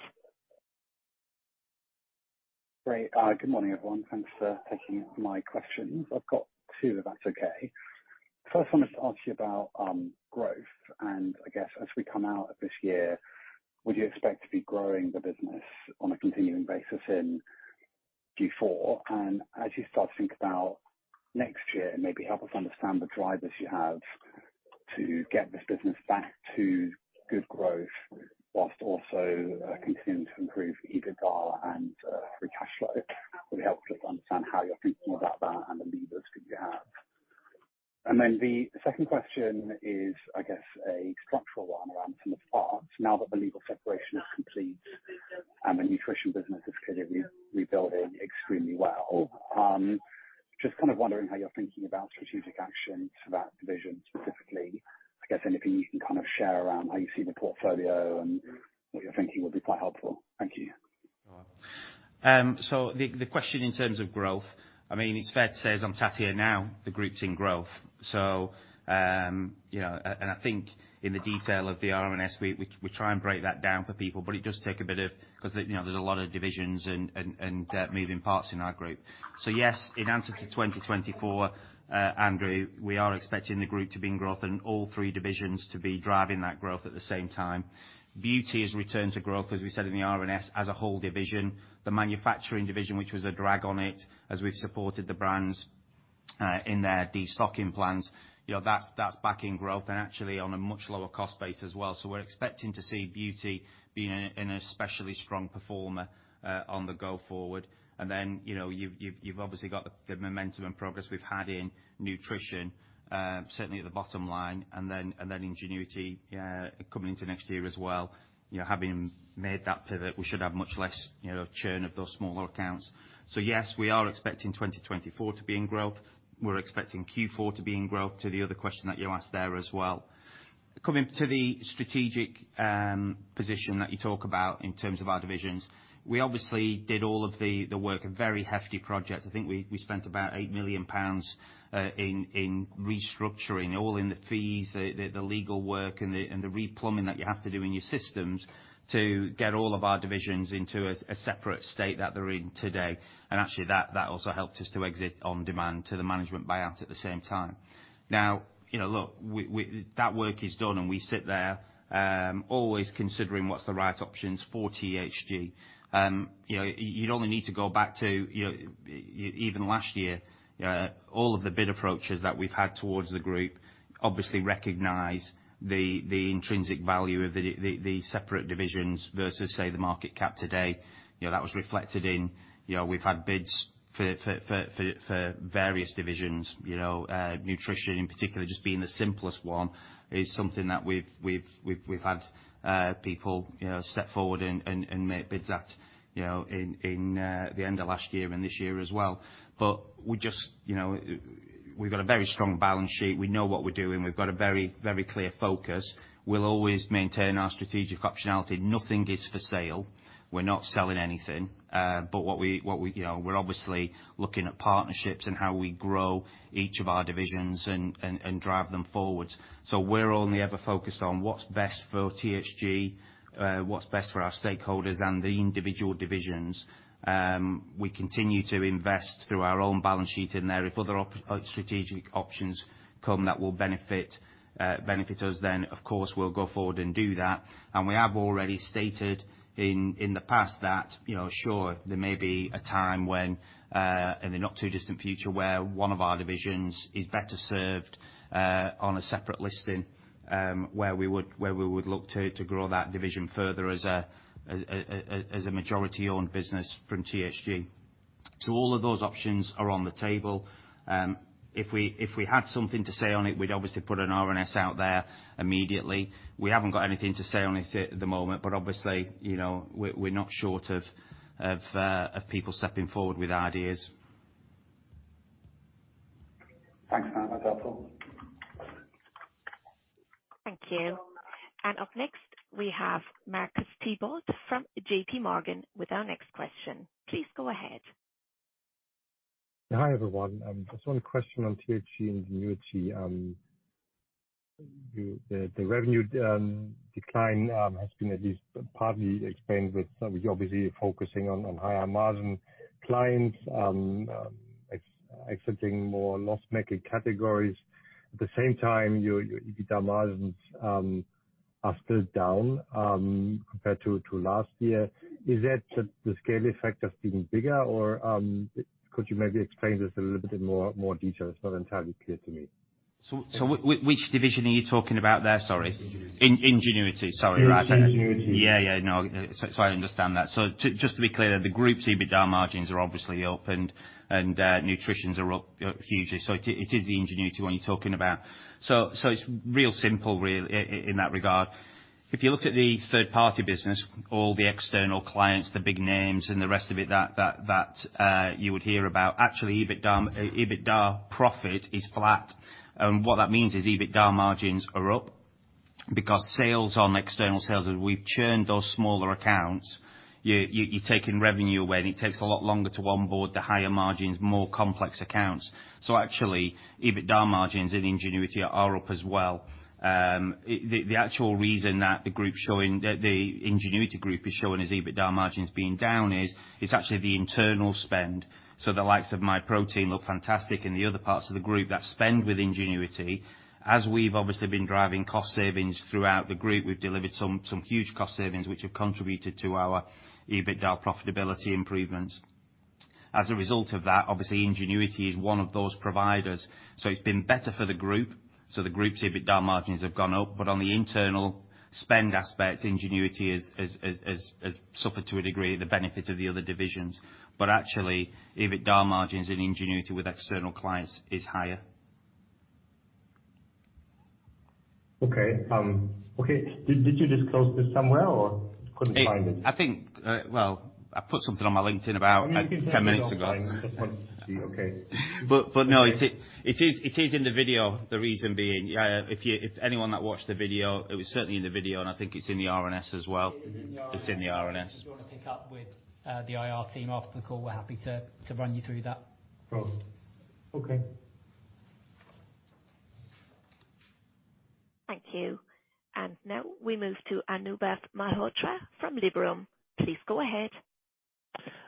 Great. Good morning, everyone. Thanks for taking my questions. I've got two, if that's okay. First, I wanted to ask you about, growth, and I guess as we come out of this year, would you expect to be growing the business on a continuing basis in Q4? And as you start to think about next year, and maybe help us understand the drivers you have to get this business back to good growth, whilst also, continuing to improve EBITDA and, free cash flow. It would help to understand how you're thinking about that and the levers that you have. And then the second question is, I guess, a structural one around some of the parts. Now that the legal separation is complete and the nutrition business is kind of rebuilding extremely well, just kind of wondering how you're thinking about strategic action for that division specifically. I guess anything you can kind of share around how you see the portfolio and what you're thinking would be quite helpful. Thank you. So the question in terms of growth, I mean, it's fair to say, as I'm sat here now, the group's in growth. So, you know, and I think in the detail of the RNS, we try and break that down for people, but it does take a bit of... 'Cause, you know, there's a lot of divisions and moving parts in our group. So yes, in answer to 2024, Andrew, we are expecting the group to be in growth and all three divisions to be driving that growth at the same time. Beauty has returned to growth, as we said in the RNS, as a whole division. The manufacturing division, which was a drag on it, as we've supported the brands in their destocking plans, you know, that's back in growth and actually on a much lower cost base as well. So we're expecting to see beauty being an especially strong performer on the go forward. And then, you know, you've obviously got the momentum and progress we've had in nutrition, certainly at the bottom line, and then Ingenuity coming into next year as well. You know, having made that pivot, we should have much less, you know, churn of those smaller accounts. So yes, we are expecting 2024 to be in growth. We're expecting Q4 to be in growth, to the other question that you asked there as well. Coming to the strategic position that you talk about in terms of our divisions, we obviously did all of the work, a very hefty project. I think we spent about 8 million pounds in restructuring, all in the fees, the legal work and the replumbing that you have to do in your systems to get all of our divisions into a separate state that they're in today. And actually, that also helped us to exit OnDemand to the management buyout at the same time. Now, you know, look, we, that work is done, and we sit there, always considering what's the right options for THG. You know, you'd only need to go back to, you know, even last year, all of the bid approaches that we've had towards the group obviously recognize the intrinsic value of the separate divisions versus, say, the market cap today. You know, that was reflected in, you know, we've had bids for various divisions. You know, nutrition in particular, just being the simplest one, is something that we've had people, you know, step forward and make bids at, you know, in the end of last year and this year as well. But we just, you know, we've got a very strong balance sheet. We know what we're doing. We've got a very, very clear focus. We'll always maintain our strategic optionality. Nothing is for sale. We're not selling anything. But what we, you know, we're obviously looking at partnerships and how we grow each of our divisions and drive them forward. So we're only ever focused on what's best for THG, what's best for our stakeholders and the individual divisions. We continue to invest through our own balance sheet in there. If other strategic options come that will benefit us, then, of course, we'll go forward and do that. And we have already stated in the past that, you know, sure, there may be a time when, in the not-too-distant future, where one of our divisions is better served on a separate listing, where we would look to grow that division further as a majority-owned business from THG. So all of those options are on the table. If we had something to say on it, we'd obviously put an RNS out there immediately. We haven't got anything to say on it at the moment, but obviously, you know, we're not short of people stepping forward with ideas. Thanks, that was helpful. Thank you. Up next, we have Marcus Diebel from JP Morgan with our next question. Please go ahead. Hi, everyone. Just one question on THG and Ingenuity. The revenue decline has been at least partly explained with obviously focusing on higher margin clients, except accepting more loss-making categories. At the same time, your EBITDA margins are still down compared to last year. Is that the scale effect of being bigger or could you maybe explain this a little bit more detail? It's not entirely clear to me. So, which division are you talking about there? Sorry. Ingenuity. Ingenuity. Sorry about that. Ingenuity. Yeah, yeah. No, so, so I understand that. So just to be clear, the group's EBITDA margins are obviously up, and, and, nutritions are up, hugely. So it is the Ingenuity one you're talking about. So, so it's real simple, in that regard. If you look at the third-party business, all the external clients, the big names and the rest of it, that you would hear about, actually, EBITDA, EBITDA profit is flat. And what that means is EBITDA margins are up.... because sales on external sales, as we've churned those smaller accounts, you're taking revenue away, and it takes a lot longer to onboard the higher margins, more complex accounts. So actually, EBITDA margins in Ingenuity are up as well. The actual reason that the group's showing, that the Ingenuity group is showing as EBITDA margins being down is, it's actually the internal spend. So the likes of So how do you spell the look fantastic product of this company? Because in the transcription it's all capital letters but in one it's just capital letter L so which one is right?, LOOKFANTASTIC in the other parts of the group that spend with Ingenuity. As we've obviously been driving cost savings throughout the group, we've delivered some huge cost savings, which have contributed to our EBITDA profitability improvements. As a result of that, obviously, Ingenuity is one of those providers, so it's been better for the group, so the group's EBITDA margins have gone up, but on the internal spend aspect, Ingenuity has suffered to a degree the benefit of the other divisions. But actually, EBITDA margins in Ingenuity with external clients is higher. Okay, did you disclose this somewhere, or I couldn't find it? I think, well, I put something on my LinkedIn about it- I mean, you can- 10 minutes ago. Okay. But no, it is in the video, the reason being. If anyone that watched the video, it was certainly in the video, and I think it's in the RNS as well. It is in the RNS. It's in the RNS. If you wanna pick up with the IR team after the call, we're happy to run you through that. Great. Okay. Thank you. And now we move to Anubhav Malhotra from Liberum. Please go ahead.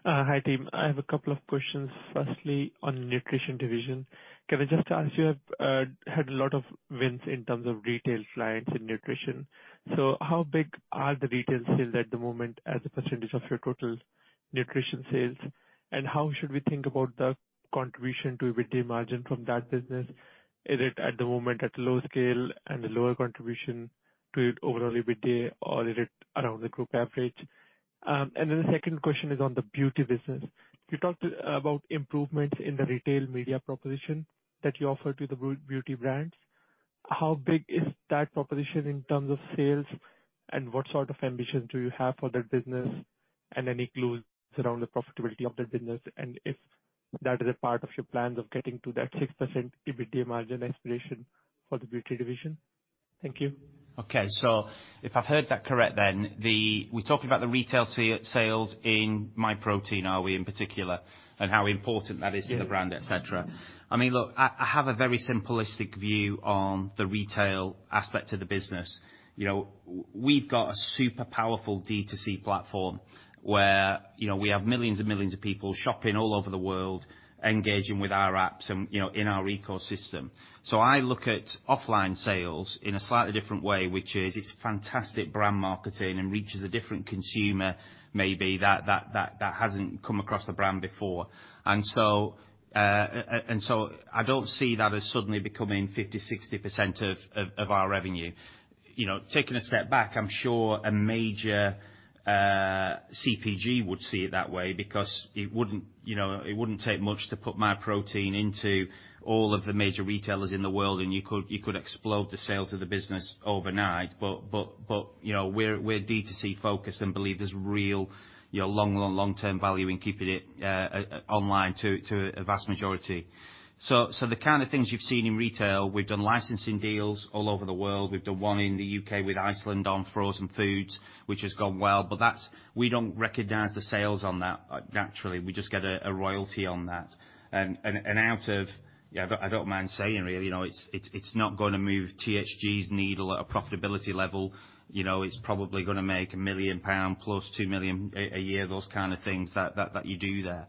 Hi, team. I have a couple of questions, firstly, on the nutrition division. Can I just ask you, had a lot of wins in terms of retail clients and nutrition, so how big are the retail sales at the moment as a percentage of your total nutrition sales? And how should we think about the contribution to EBITDA margin from that business? Is it, at the moment, at low scale and a lower contribution to overall EBITDA, or is it around the group average? And then the second question is on the beauty business. You talked about improvements in the retail media proposition that you offer to the beauty brands. How big is that proposition in terms of sales, and what sort of ambitions do you have for that business? Any clues around the profitability of that business, and if that is a part of your plans of getting to that 6% EBITDA margin aspiration for the beauty division? Thank you. Okay. So if I've heard that correct, then the... We're talking about the retail sales in Myprotein, are we, in particular, and how important that is- Yeah to the brand, et cetera? I mean, look, I have a very simplistic view on the retail aspect of the business. You know, we've got a super powerful D2C platform where, you know, we have millions and millions of people shopping all over the world, engaging with our apps and, you know, in our ecosystem. So I look at offline sales in a slightly different way, which is it's fantastic brand marketing and reaches a different consumer, maybe, that hasn't come across the brand before. And so I don't see that as suddenly becoming 50%-60% of our revenue. You know, taking a step back, I'm sure a major, CPG would see it that way because it wouldn't, you know, it wouldn't take much to put Myprotein into all of the major retailers in the world, and you could, you could explode the sales of the business overnight. But, but, but, you know, we're, we're D2C-focused and believe there's real, you know, long, long, long-term value in keeping it, online to, to a vast majority. So, so the kind of things you've seen in retail, we've done licensing deals all over the world. We've done one in the U.K. with Iceland on frozen foods, which has gone well, but that's. We don't recognize the sales on that. Naturally, we just get a, a royalty on that. And, and, and out of... Yeah, I don't mind saying, really, you know, it's not gonna move THG's needle at a profitability level. You know, it's probably gonna make 1 million pound plus 2 million a year, those kind of things that you do there.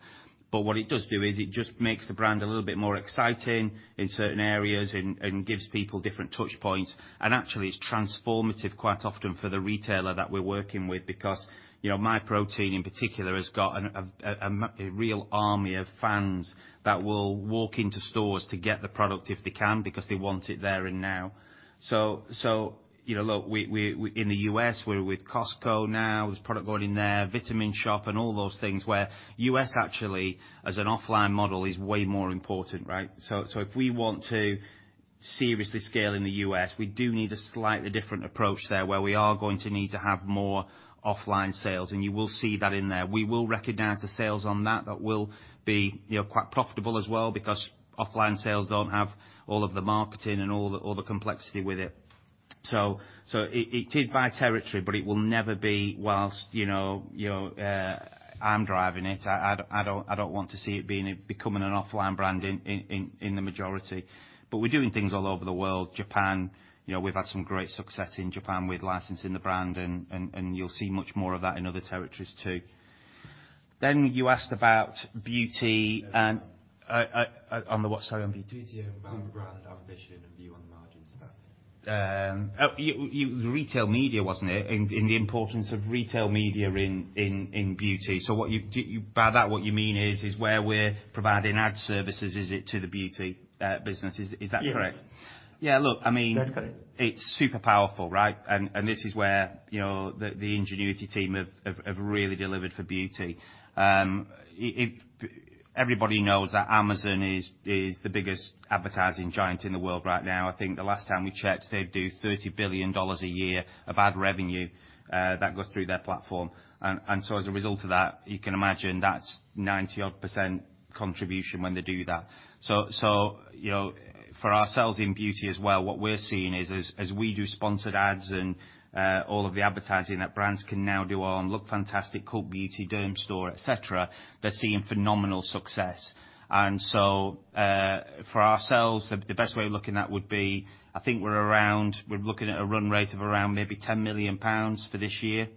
But what it does do is it just makes the brand a little bit more exciting in certain areas and gives people different touch points. And actually, it's transformative quite often for the retailer that we're working with because, you know, Myprotein, in particular, has got a real army of fans that will walk into stores to get the product if they can, because they want it there and now. So, you know, look, we... In the US, we're with Costco now. There's product going in there, Vitamin Shoppe, and all those things, where U.S. actually, as an offline model, is way more important, right? So, so if we want to seriously scale in the U.S., we do need a slightly different approach there, where we are going to need to have more offline sales, and you will see that in there. We will recognize the sales on that. That will be, you know, quite profitable as well because offline sales don't have all of the marketing and all the, all the complexity with it. So, so it, it is by territory, but it will never be while, you know, your, I'm driving it. I, I, I don't, I don't want to see it being a, becoming an offline brand in, in, in, in the majority. But we're doing things all over the world. Japan, you know, we've had some great success in Japan with licensing the brand, and you'll see much more of that in other territories, too. Then, you asked about beauty, what... Sorry, on beauty? Beauty and brand ambition and view on the margins then. Retail media, wasn't it? And the importance of retail media in beauty. So what do you mean by that? Is it where we're providing ad services to the beauty business? Is that correct? Yeah. Yeah, look, I mean- That's correct. It's super powerful, right? And this is where, you know, the Ingenuity team have really delivered for beauty. If everybody knows that Amazon is the biggest advertising giant in the world right now. I think the last time we checked, they do $30 billion a year of ad revenue that goes through their platform. And so as a result of that, you can imagine that's 90-odd% contribution when they do that. So, you know, for ourselves in beauty as well, what we're seeing is as we do sponsored ads and all of the advertising that brands can now do on LOOKFANTASTIC, Cult Beauty, Dermstore, et cetera, they're seeing phenomenal success. And so, for ourselves, the best way of looking at would be, I think we're around—we're looking at a run rate of around maybe 10 million pounds for this year,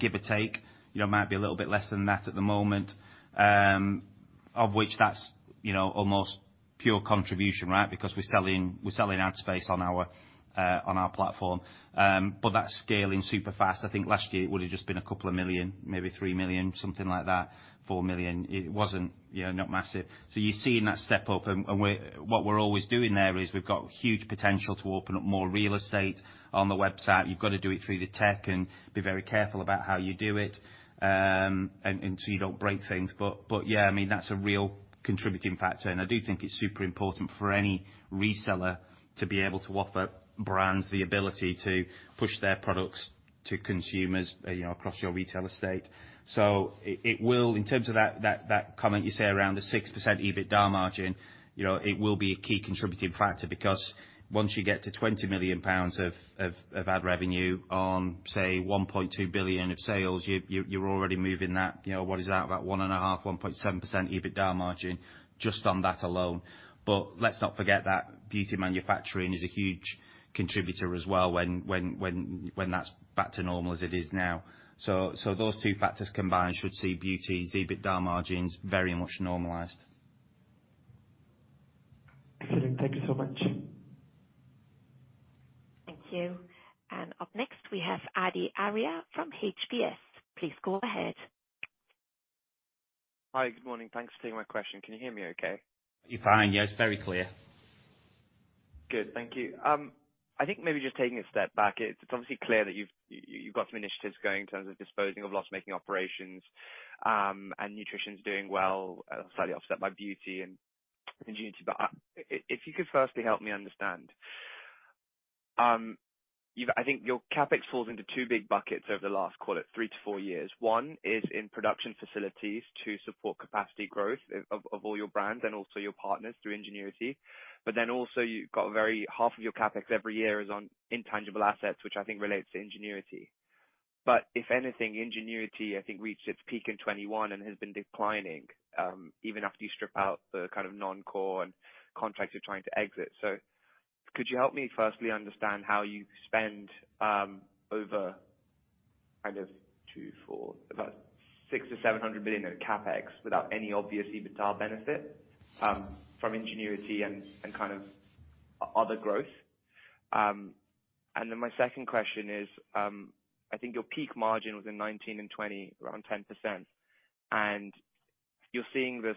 give or take. You know, it might be a little bit less than that at the moment, of which that's, you know, almost pure contribution, right? Because we're selling, we're selling ad space on our, on our platform. But that's scaling super fast. I think last year it would have just been a couple of million, maybe 3 million, something like that, 4 million. It wasn't, you know, not massive. So you're seeing that step up, and we're—what we're always doing there is we've got huge potential to open up more real estate on the website. You've got to do it through the tech and be very careful about how you do it, and so you don't break things. But, yeah, I mean, that's a real contributing factor, and I do think it's super important for any reseller to be able to offer brands the ability to push their products to consumers, you know, across your retail estate. So it will... In terms of that comment you say, around the 6% EBITDA margin, you know, it will be a key contributing factor because once you get to £20 million of ad revenue on, say, £1.2 billion of sales, you're already moving that. You know, what is that? About 1.5%-1.7% EBITDA margin just on that alone. But let's not forget that beauty manufacturing is a huge contributor as well, that's back to normal, as it is now. So, those two factors combined should see beauty EBITDA margins very much normalized. Excellent. Thank you so much. Thank you. Up next, we have Adi Arya from HPS. Please go ahead. Hi, good morning. Thanks for taking my question. Can you hear me okay? You're fine, yes, very clear. Good. Thank you. I think maybe just taking a step back, it's obviously clear that you've got some initiatives going in terms of disposing of loss-making operations, and nutrition's doing well, slightly offset by beauty and Ingenuity. But if you could firstly help me understand. You've—I think your CapEx falls into two big buckets over the last, call it, 3-4 years. One is in production facilities to support capacity growth of all your brands and also your partners through Ingenuity. But then also, you've got very—half of your CapEx every year is on intangible assets, which I think relates to Ingenuity. But if anything, Ingenuity, I think, reached its peak in 2021 and has been declining, even after you strip out the kind of non-core and contracts you're trying to exit. So could you help me firstly understand how you spend, over kind of 240, about 600-700 million of CapEx without any obvious EBITDA benefit, from Ingenuity and, and kind of other growth? And then my second question is, I think your peak margin was in 2019 and 2020, around 10%, and you're seeing this,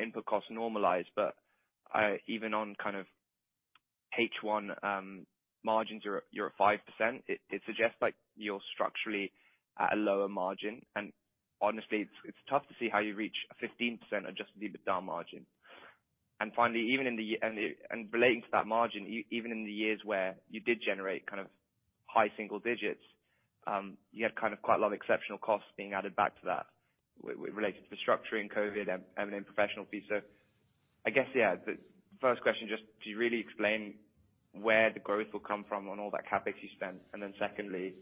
input costs normalize, but, even on kind of H1, margins, you're, you're at 5%. It, it suggests that you're structurally at a lower margin, and honestly, it's, it's tough to see how you reach a 15% adjusted EBITDA margin. And finally, even in the y... And relating to that margin, even in the years where you did generate kind of high single digits, you had kind of quite a lot of exceptional costs being added back to that related to restructuring, COVID, M&A, professional fees. So I guess, yeah, the first question, just can you really explain where the growth will come from on all that CapEx you spent? And then secondly,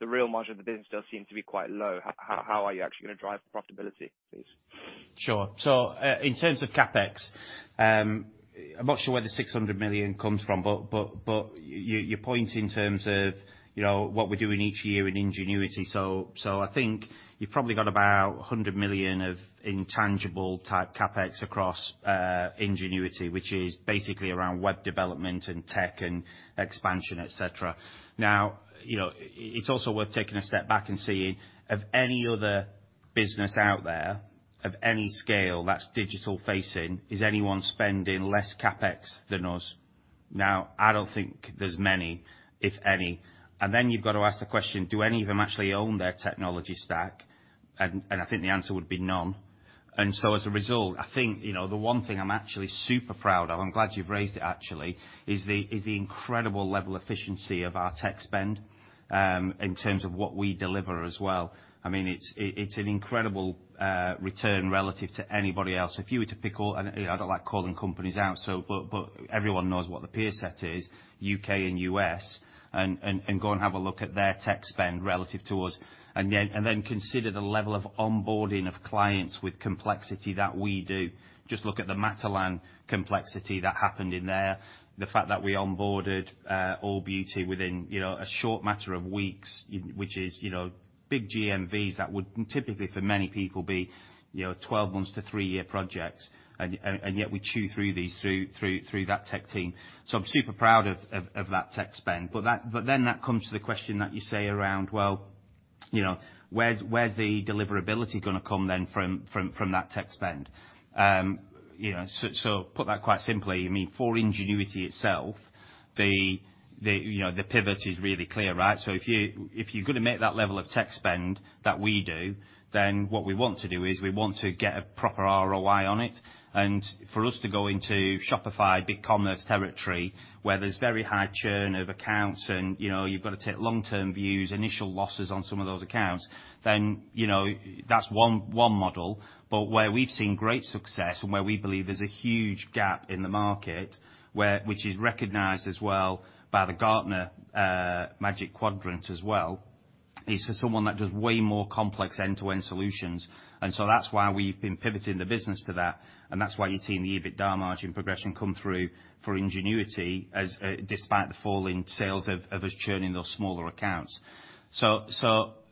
the real margin of the business does seem to be quite low. How are you actually gonna drive profitability, please? Sure. So, in terms of CapEx, I'm not sure where the 600 million comes from, but your point in terms of, you know, what we're doing each year in Ingenuity. So, I think you've probably got about 100 million of intangible-type CapEx across Ingenuity, which is basically around web development and tech and expansion, et cetera. Now, you know, it's also worth taking a step back and seeing, of any other business out there, of any scale that's digital facing, is anyone spending less CapEx than us? Now, I don't think there's many, if any. And then you've got to ask the question: Do any of them actually own their technology stack? And I think the answer would be none. And so as a result, I think, you know, the one thing I'm actually super proud of, I'm glad you've raised it actually, is the incredible level of efficiency of our tech spend in terms of what we deliver as well. I mean, it's an incredible return relative to anybody else. If you were to pick up... and, you know, I don't like calling companies out, so, but, but everyone knows what the peer set is, UK and US, and, and, and go and have a look at their tech spend relative to us, and then, and then consider the level of onboarding of clients with complexity that we do. Just look at the Matalan complexity that happened in there. The fact that we onboarded Allbeauty within, you know, a short matter of weeks, which is, you know, big GMVs, that would typically for many people be, you know, 12 months to three-year projects. Yet we chew through these through that tech team. So I'm super proud of that tech spend. But then that comes to the question that you say around, well, you know, where's the deliverability gonna come then from that tech spend? You know, so put that quite simply, I mean, for Ingenuity itself, the, you know, the pivot is really clear, right? So if you, if you're gonna make that level of tech spend that we do, then what we want to do is we want to get a proper ROI on it. And for us to go into Shopify, BigCommerce territory, where there's very high churn of accounts and, you know, you've got to take long-term views, initial losses on some of those accounts, then, you know, that's one model. But where we've seen great success and where we believe there's a huge gap in the market, which is recognized as well by the Gartner Magic Quadrant as well, is for someone that does way more complex end-to-end solutions. And so that's why we've been pivoting the business to that, and that's why you're seeing the EBITDA margin progression come through for Ingenuity, as, despite the fall in sales of, of us churning those smaller accounts.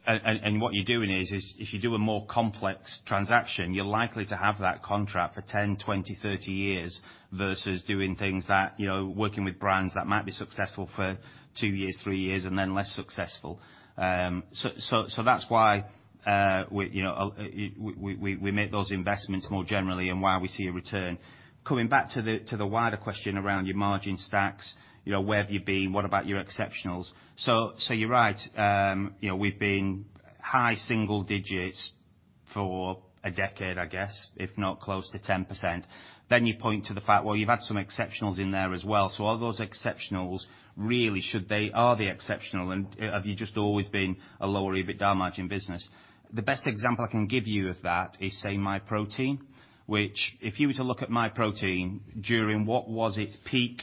And what you're doing is if you do a more complex transaction, you're likely to have that contract for 10, 20, 30 years, versus doing things that, you know, working with brands that might be successful for 2 years, 3 years, and then less successful. So that's why we, you know, we make those investments more generally and why we see a return. Coming back to the wider question around your margin stacks, you know, where have you been? What about your exceptionals? So you're right. You know, we've been high single digits for a decade, I guess, if not close to 10%. Then you point to the fact, well, you've had some exceptionals in there as well. So are those exceptionals, really, should they-- are they exceptional, and have you just always been a lower EBITDA margin business? The best example I can give you of that is, say, Myprotein, which if you were to look at Myprotein during what was its peak,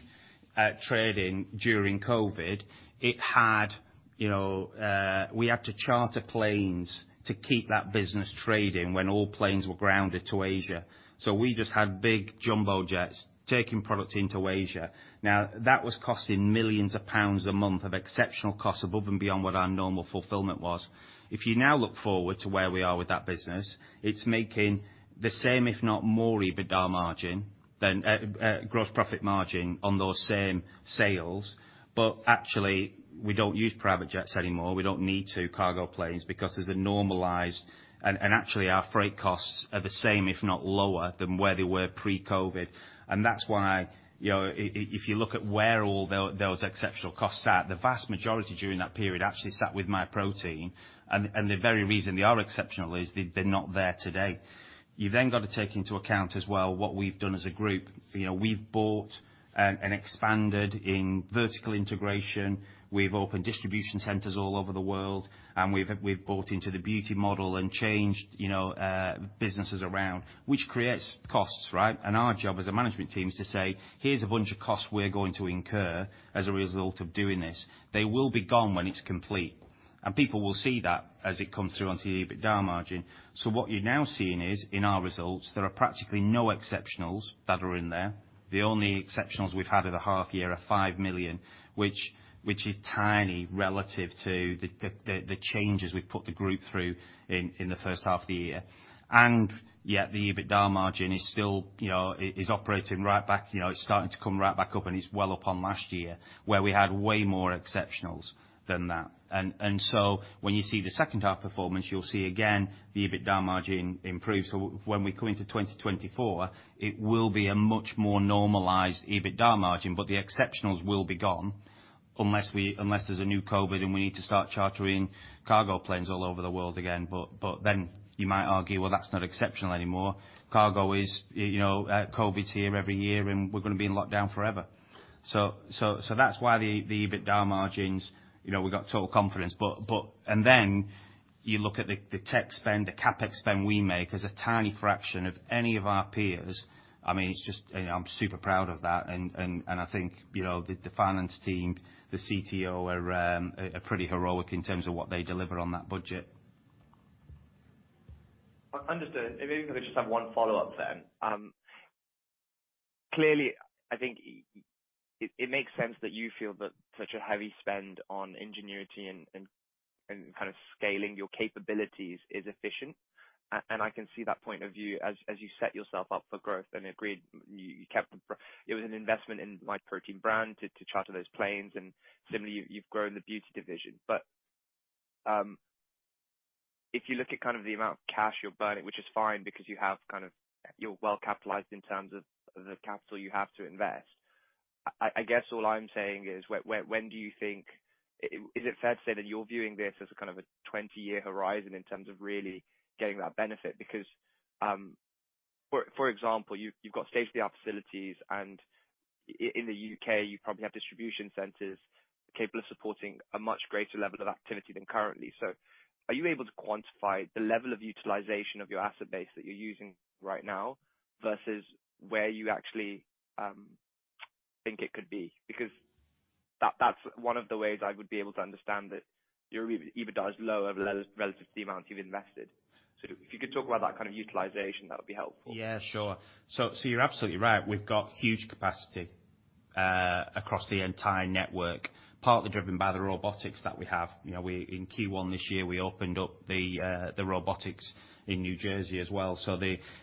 trading during COVID, it had, you know, we had to charter planes to keep that business trading when all planes were grounded to Asia. So we just had big jumbo jets taking product into Asia. Now, that was costing millions pounds a month of exceptional costs above and beyond what our normal fulfillment was. If you now look forward to where we are with that business, it's making the same, if not more, EBITDA margin than, gross profit margin on those same sales. But actually, we don't use private jets anymore. We don't need to cargo planes because there's a normalized... And actually, our freight costs are the same, if not lower, than where they were pre-COVID. And that's why, you know, if you look at where all those exceptional costs sat, the vast majority during that period actually sat with Myprotein, and the very reason they are exceptional is they're not there today. You've then got to take into account as well what we've done as a group. You know, we've bought and expanded in vertical integration, we've opened distribution centers all over the world, and we've bought into the beauty model and changed, you know, businesses around, which creates costs, right? Our job as a management team is to say, "Here's a bunch of costs we're going to incur as a result of doing this." They will be gone when it's complete, and people will see that as it comes through onto the EBITDA margin. What you're now seeing is, in our results, there are practically no exceptionals that are in there. The only exceptionals we've had in the half year are 5 million, which is tiny relative to the changes we've put the group through in the first half of the year. Yet the EBITDA margin is still, you know, operating right back, you know, it's starting to come right back up, and it's well upon last year, where we had way more exceptionals than that. And so when you see the second half performance, you'll see again, the EBITDA margin improves. So when we come into 2024, it will be a much more normalized EBITDA margin, but the exceptionals will be gone unless we, unless there's a new COVID, and we need to start chartering cargo planes all over the world again. But then you might argue, well, that's not exceptional anymore. Cargo is, you know, COVID's here every year, and we're gonna be in lockdown forever. So that's why the EBITDA margins, you know, we've got total confidence. But... And then you look at the tech spend, the CapEx spend we make is a tiny fraction of any of our peers. I mean, it's just, you know, I'm super proud of that, and I think, you know, the finance team, the CTO, are pretty heroic in terms of what they deliver on that budget. Understood. Maybe if I could just have one follow-up then. Clearly, I think it makes sense that you feel that such a heavy spend on Ingenuity and kind of scaling your capabilities is efficient. And I can see that point of view as you set yourself up for growth, and agreed, you kept. It was an investment in Myprotein brand to charter those planes, and similarly, you've grown the beauty division. But if you look at kind of the amount of cash you're burning, which is fine because you have kind of you're well capitalized in terms of the capital you have to invest, I guess all I'm saying is, when do you think... Is it fair to say that you're viewing this as a kind of a 20-year horizon in terms of really getting that benefit? Because, for example, you've, you've got state-of-the-art facilities, and in the UK, you probably have distribution centers capable of supporting a much greater level of activity than currently. So are you able to quantify the level of utilization of your asset base that you're using right now versus where you actually think it could be? Because that's one of the ways I would be able to understand that your EBITDA is low relative to the amount you've invested. So if you could talk about that kind of utilization, that would be helpful. Yeah, sure. So, you're absolutely right. We've got huge capacity across the entire network, partly driven by the robotics that we have. You know, in Q1 this year, we opened up the robotics in New Jersey as well. So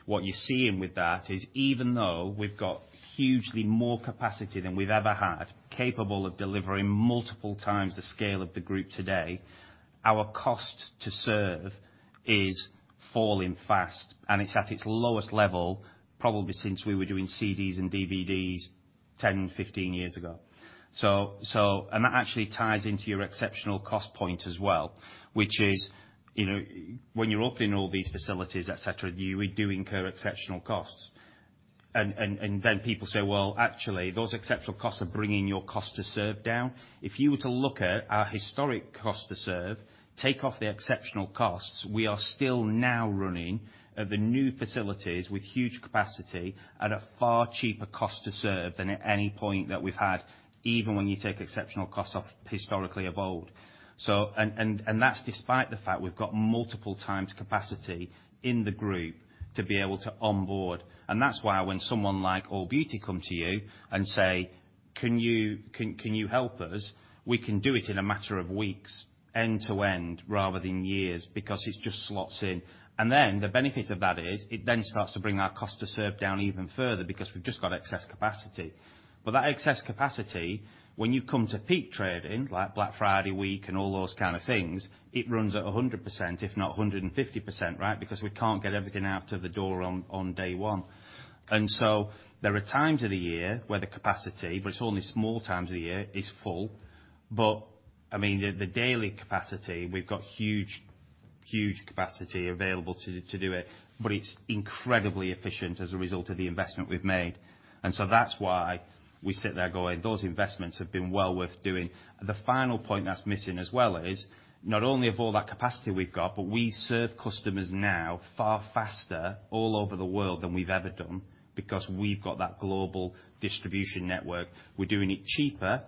what you're seeing with that is, even though we've got hugely more capacity than we've ever had, capable of delivering multiple times the scale of the group today, our cost to serve is falling fast, and it's at its lowest level, probably since we were doing CDs and DVDs 10, 15 years ago. So, and that actually ties into your exceptional cost point as well, which is, you know, when you're opening all these facilities, et cetera, you do incur exceptional costs. And then people say, "Well, actually, those exceptional costs are bringing your cost to serve down." If you were to look at our historic cost to serve, take off the exceptional costs, we are still now running the new facilities with huge capacity at a far cheaper cost to serve than at any point that we've had, even when you take exceptional costs off historically of old. So that's despite the fact we've got multiple times capacity in the group to be able to onboard. And that's why when someone like Allbeauty come to you and say, "Can you help us?" We can do it in a matter of weeks, end to end, rather than years, because it just slots in. The benefit of that is, it then starts to bring our cost to serve down even further because we've just got excess capacity. That excess capacity, when you come to peak trading, like Black Friday week and all those kind of things, it runs at 100%, if not 150%, right? Because we can't get everything out of the door on day one. There are times of the year where the capacity, but it's only small times of the year, is full. I mean, the daily capacity, we've got huge, huge capacity available to do it, but it's incredibly efficient as a result of the investment we've made. That's why we sit there going, those investments have been well worth doing. The final point that's missing as well is, not only of all that capacity we've got, but we serve customers now far faster all over the world than we've ever done, because we've got that global distribution network. We're doing it cheaper and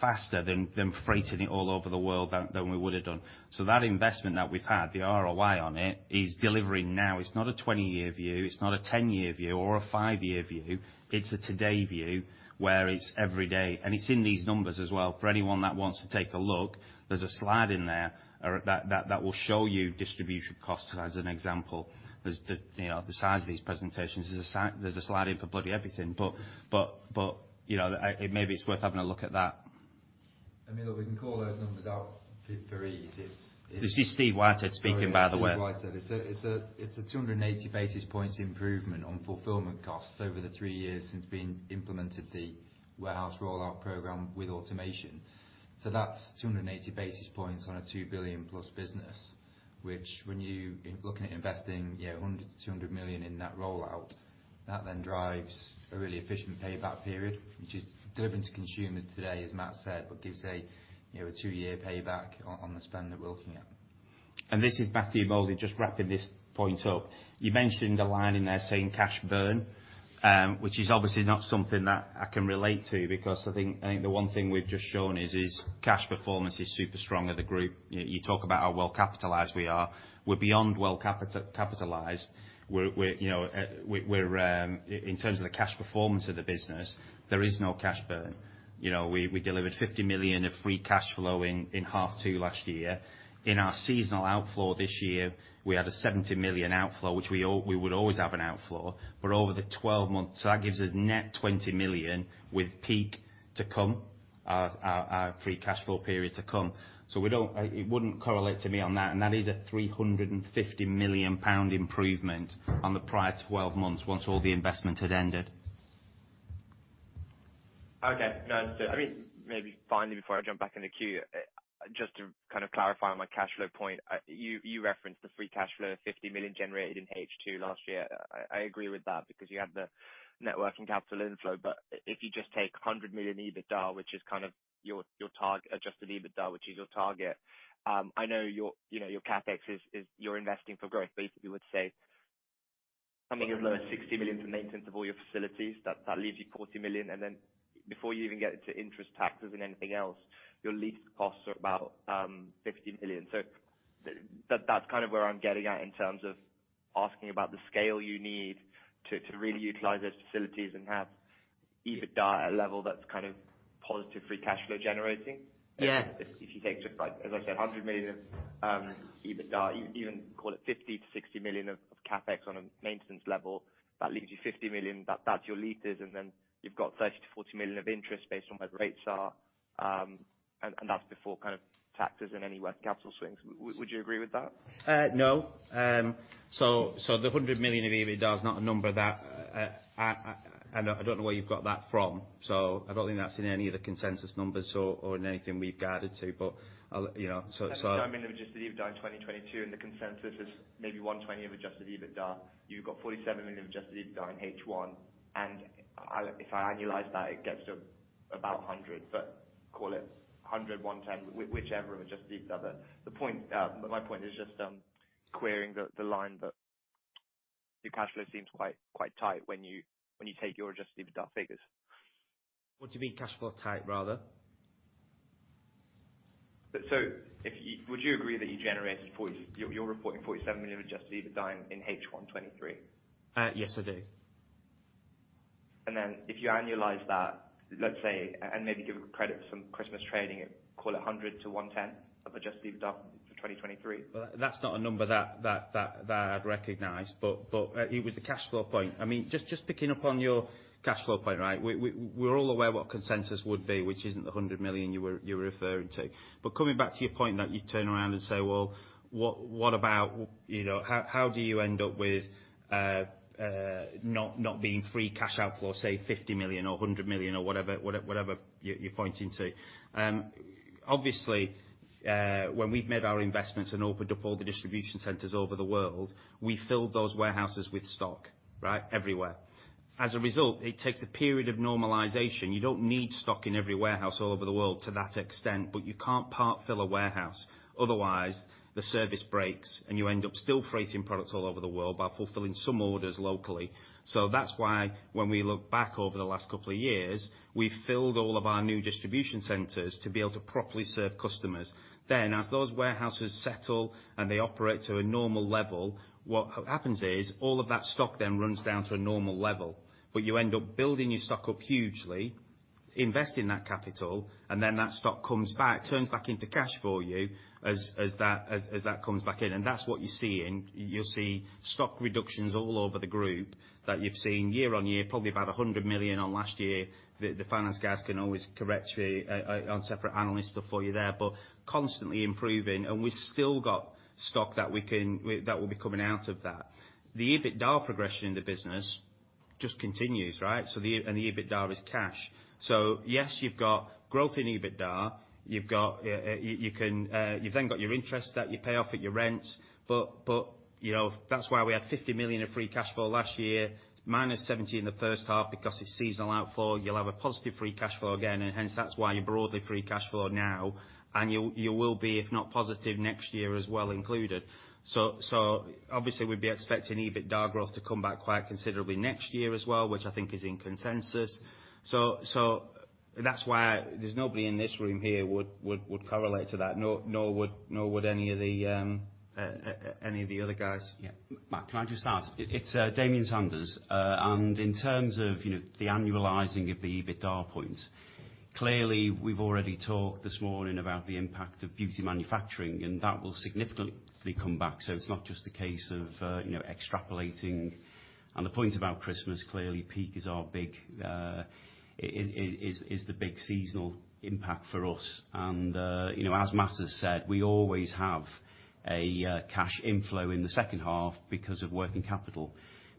faster than, than freighting it all over the world than, than we would have done. So that investment that we've had, the ROI on it, is delivering now. It's not a 20-year view, it's not a 10-year view, or a 5-year view. It's a today view, where it's every day, and it's in these numbers as well. For anyone that wants to take a look, there's a slide in there that will show you distribution costs as an example. There's the, you know, the size of these presentations, there's a slide in for bloody everything. But, you know, maybe it's worth having a look at that. I mean, look, we can call those numbers out very easy. It's, it's- This is Steve Whitehead speaking, by the way. Sorry, Steve Whitehead. It's a 280 basis points improvement on fulfillment costs over the three years since we implemented the warehouse rollout program with automation. So that's 280 basis points on a 2 billion+ business, which when you are looking at investing, yeah, 100-200 million in that rollout, that then drives a really efficient payback period, which is delivering to consumers today, as Matt said, but gives a, you know, a two-year payback on the spend that we're looking at. This is Matthew Moulding, just wrapping this point up. You mentioned a line in there saying cash burn, which is obviously not something that I can relate to because I think, I think the one thing we've just shown is, is cash performance is super strong at the group. You talk about how well capitalized we are. We're beyond well capitalized. We're, we're, you know, we're, in terms of the cash performance of the business, there is no cash burn. You know, we, we delivered 50 million of free cash flow in, in H2 last year. In our seasonal outflow this year, we had a 70 million outflow, which we, we would always have an outflow, but over the 12 months. So that gives us net 20 million with peak to come, our, our free cash flow period to come. So we don't. It wouldn't correlate to me on that, and that is a 350 million pound improvement on the prior twelve months once all the investment had ended. Okay, no, so I mean, maybe finally, before I jump back in the queue, just to kind of clarify my cash flow point. You referenced the free cash flow, 50 million generated in H2 last year. I agree with that because you have the net working capital inflow, but if you just take 100 million EBITDA, which is kind of your target, adjusted EBITDA, which is your target. I know your CapEx is, you're investing for growth. Basically, you would say something below 60 million for maintenance of all your facilities, that leaves you 40 million. And then before you even get into interest, taxes, and anything else, your lease costs are about 50 million. So that's kind of where I'm getting at in terms of asking about the scale you need to really utilize those facilities and have EBITDA at a level that's kind of positive free cash flow generating. Yes. If you take just, like, as I said, £100 million EBITDA, even call it £50-60 million of CapEx on a maintenance level, that leaves you £50 million. That's your leases, and then you've got £30-40 million of interest based on where the rates are, and that's before kind of taxes and any working capital swings. Would you agree with that? No. So, the 100 million of EBITDA is not a number that I don't know where you've got that from, so I don't think that's in any of the consensus numbers or in anything we've guided to, but I'll, you know. I mean, the Adjusted EBITDA in 2022, and the consensus is maybe 120 million of Adjusted EBITDA. You've got 47 million of Adjusted EBITDA in H1, and if I annualize that, it gets to about 100, but call it 100, 110, whichever of Adjusted EBITDA. The point, my point is just querying the line that your cash flow seems quite, quite tight when you, when you take your Adjusted EBITDA figures. What do you mean, cash flow tight, rather? Would you agree that you generated 47—you're reporting 47 million of Adjusted EBITDA in H1 2023? Yes, I do. Then, if you annualize that, let's say, and maybe give a credit for some Christmas trading, call it 100-110 of Adjusted EBITDA for 2023. Well, that's not a number that I'd recognize, but it was the cash flow point. I mean, just picking up on your cash flow point, right? We're all aware what consensus would be, which isn't the 100 million you were referring to. But coming back to your point, that you turn around and say, "Well, what about, you know, how do you end up with not being free cash outflow, say, 50 million or 100 million, or whatever you're pointing to?" Obviously, when we've made our investments and opened up all the distribution centers over the world, we filled those warehouses with stock, right? Everywhere. As a result, it takes a period of normalization. You don't need stock in every warehouse all over the world to that extent, but you can't part fill a warehouse, otherwise, the service breaks, and you end up still freighting products all over the world by fulfilling some orders locally. So that's why when we look back over the last couple of years, we've filled all of our new distribution centers to be able to properly serve customers. Then, as those warehouses settle and they operate to a normal level, what happens is, all of that stock then runs down to a normal level, but you end up building your stock up hugely, invest in that capital, and then that stock comes back, turns back into cash for you as, as that, as, as that comes back in. And that's what you're seeing. You'll see stock reductions all over the group, that you've seen year-on-year, probably about 100 million on last year. The finance guys can always correct me, on separate analyst for you there, but constantly improving, and we've still got stock that will be coming out of that. The EBITDA progression in the business just continues, right? So the, and the EBITDA is cash. So yes, you've got growth in EBITDA, you've got, you've then got your interest that you pay off at your rents. But, but, you know, that's why we had 50 million of free cash flow last year, -70 in the first half, because it's seasonal outflow. You'll have a positive free cash flow again, and hence, that's why you're broadly free cash flow now, and you will be, if not positive next year as well included. So obviously, we'd be expecting EBITDA growth to come back quite considerably next year as well, which I think is in consensus. So that's why there's nobody in this room here would correlate to that, nor would any of the other guys. Yeah. Matt, can I just add? It's Damian Sanders, and in terms of, you know, the annualizing of the EBITDA points, clearly, we've already talked this morning about the impact of beauty manufacturing, and that will significantly come back. So it's not just a case of, you know, extrapolating. And the point about Christmas, clearly, peak is our big seasonal impact for us. And, you know, as Matt has said, we always have a cash inflow in the second half because of working capital.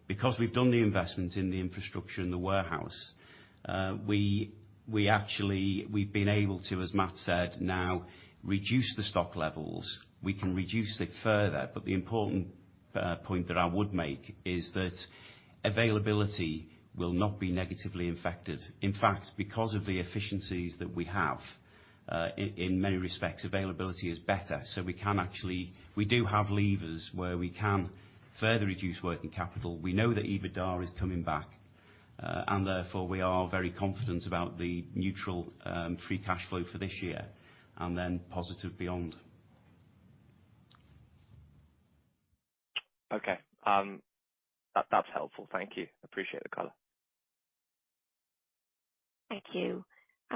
Because we've done the investment in the infrastructure in the warehouse, we actually, we've been able to, as Matt said, now reduce the stock levels. We can reduce it further, but the important point that I would make is that availability will not be negatively impacted. In fact, because of the efficiencies that we have, in many respects, availability is better. So we can actually, we do have levers where we can further reduce working capital. We know that EBITDA is coming back, and therefore, we are very confident about the neutral free cash flow for this year, and then positive beyond. Okay, that's helpful. Thank you. Appreciate the color. Thank you.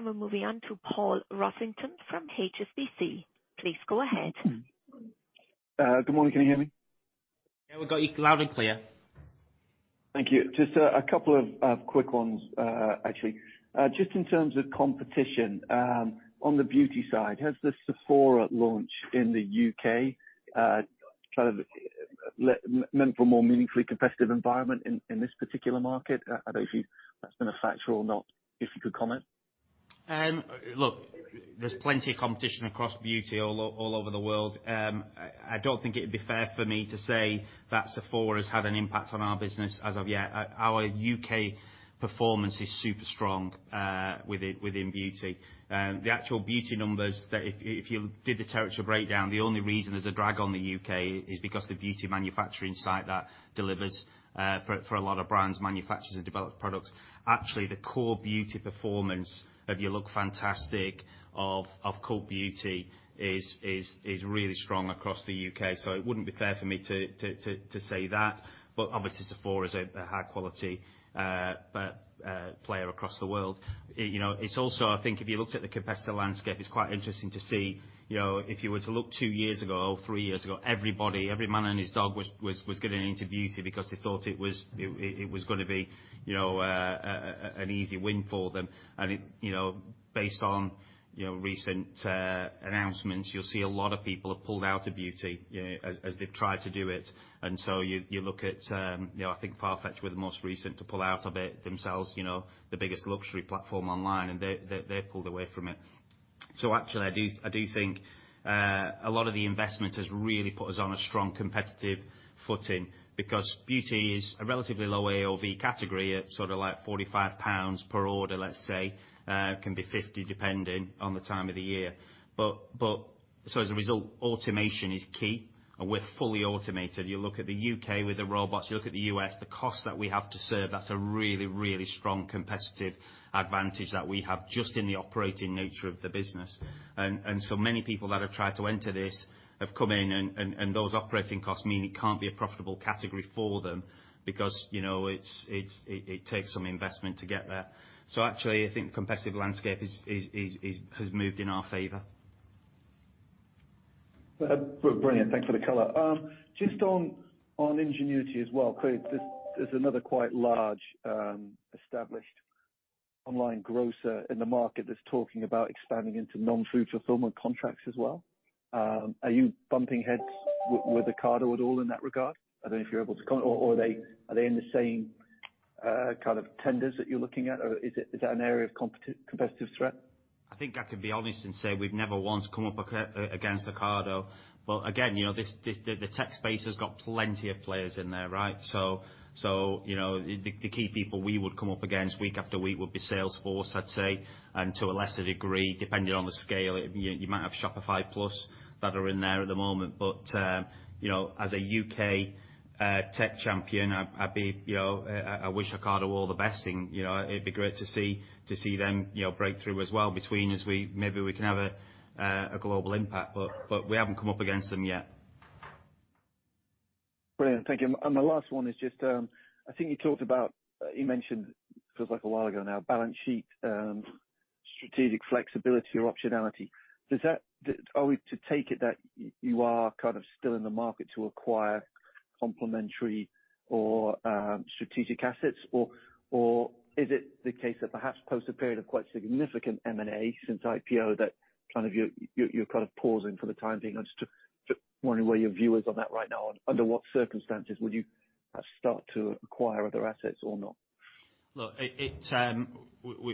We're moving on to Paul Rossington from HSBC. Please go ahead. Good morning. Can you hear me? Yeah, we got you loud and clear. Thank you. Just, a couple of, quick ones, actually. Just in terms of competition, on the beauty side, has the Sephora launch in the U.K., kind of, meant for a more meaningfully competitive environment in this particular market? I don't know if that's been a factor or not, if you could comment. Look, there's plenty of competition across beauty all over the world. I don't think it'd be fair for me to say that Sephora has had an impact on our business as of yet. Our UK performance is super strong within beauty. The actual beauty numbers, that if you did the territory breakdown, the only reason there's a drag on the UK is because the beauty manufacturing site that delivers for a lot of brands manufactures and developed products. Actually, the core beauty performance of Lookfantastic, of Cult Beauty is really strong across the UK. So it wouldn't be fair for me to say that, but obviously, Sephora is a high quality player across the world. You know, it's also, I think if you looked at the competitor landscape, it's quite interesting to see, you know, if you were to look two years ago, or three years ago, everybody, every man and his dog was getting into beauty because they thought it was gonna be, you know, an easy win for them. And it, you know, based on, you know, recent announcements, you'll see a lot of people have pulled out of beauty as they've tried to do it. And so you look at, you know, I think Farfetch were the most recent to pull out of it themselves, you know, the biggest luxury platform online, and they pulled away from it. So actually, I do, I do think a lot of the investment has really put us on a strong, competitive footing because beauty is a relatively low AOV category at sort of like 45 pounds per order, let's say. Can be 50, depending on the time of the year. But, but, so as a result, automation is key, and we're fully automated. You look at the U.K. with the robots, you look at the U.S., the cost that we have to serve, that's a really, really strong competitive advantage that we have just in the operating nature of the business. And, and so many people that have tried to enter this have come in and, and, and those operating costs mean it can't be a profitable category for them because, you know, it's, it's, it, it takes some investment to get there. So actually, I think competitive landscape has moved in our favor. Brilliant, thanks for the color. Just on, on Ingenuity as well, clearly, this, there's another quite large, established online grocer in the market that's talking about expanding into non-food fulfillment contracts as well. Are you bumping heads with, with Ocado at all in that regard? I don't know if you're able to comment, or, or are they, are they in the same kind of tenders that you're looking at, or is it, is that an area of competitive threat? I think I can be honest and say we've never once come up against Ocado. But again, you know, the tech space has got plenty of players in there, right? So, you know, the key people we would come up against week after week would be Salesforce, I'd say, and to a lesser degree, depending on the scale, you might have Shopify Plus that are in there at the moment. But, you know, as a U.K. tech champion, I'd be, you know, I wish Ocado all the best, and, you know, it'd be great to see them, you know, break through as well between as we- maybe we can have a global impact, but we haven't come up against them yet. Brilliant. Thank you. My last one is just, I think you talked about, you mentioned, feels like a while ago now, balance sheet, strategic flexibility or optionality. Does that are we to take it that you are kind of still in the market to acquire complementary or, strategic assets? Or, is it the case that perhaps post a period of quite significant M&A since IPO, that kind of you're kind of pausing for the time being? I'm just just wondering where your view is on that right now, and under what circumstances would you start to acquire other assets or not? Look,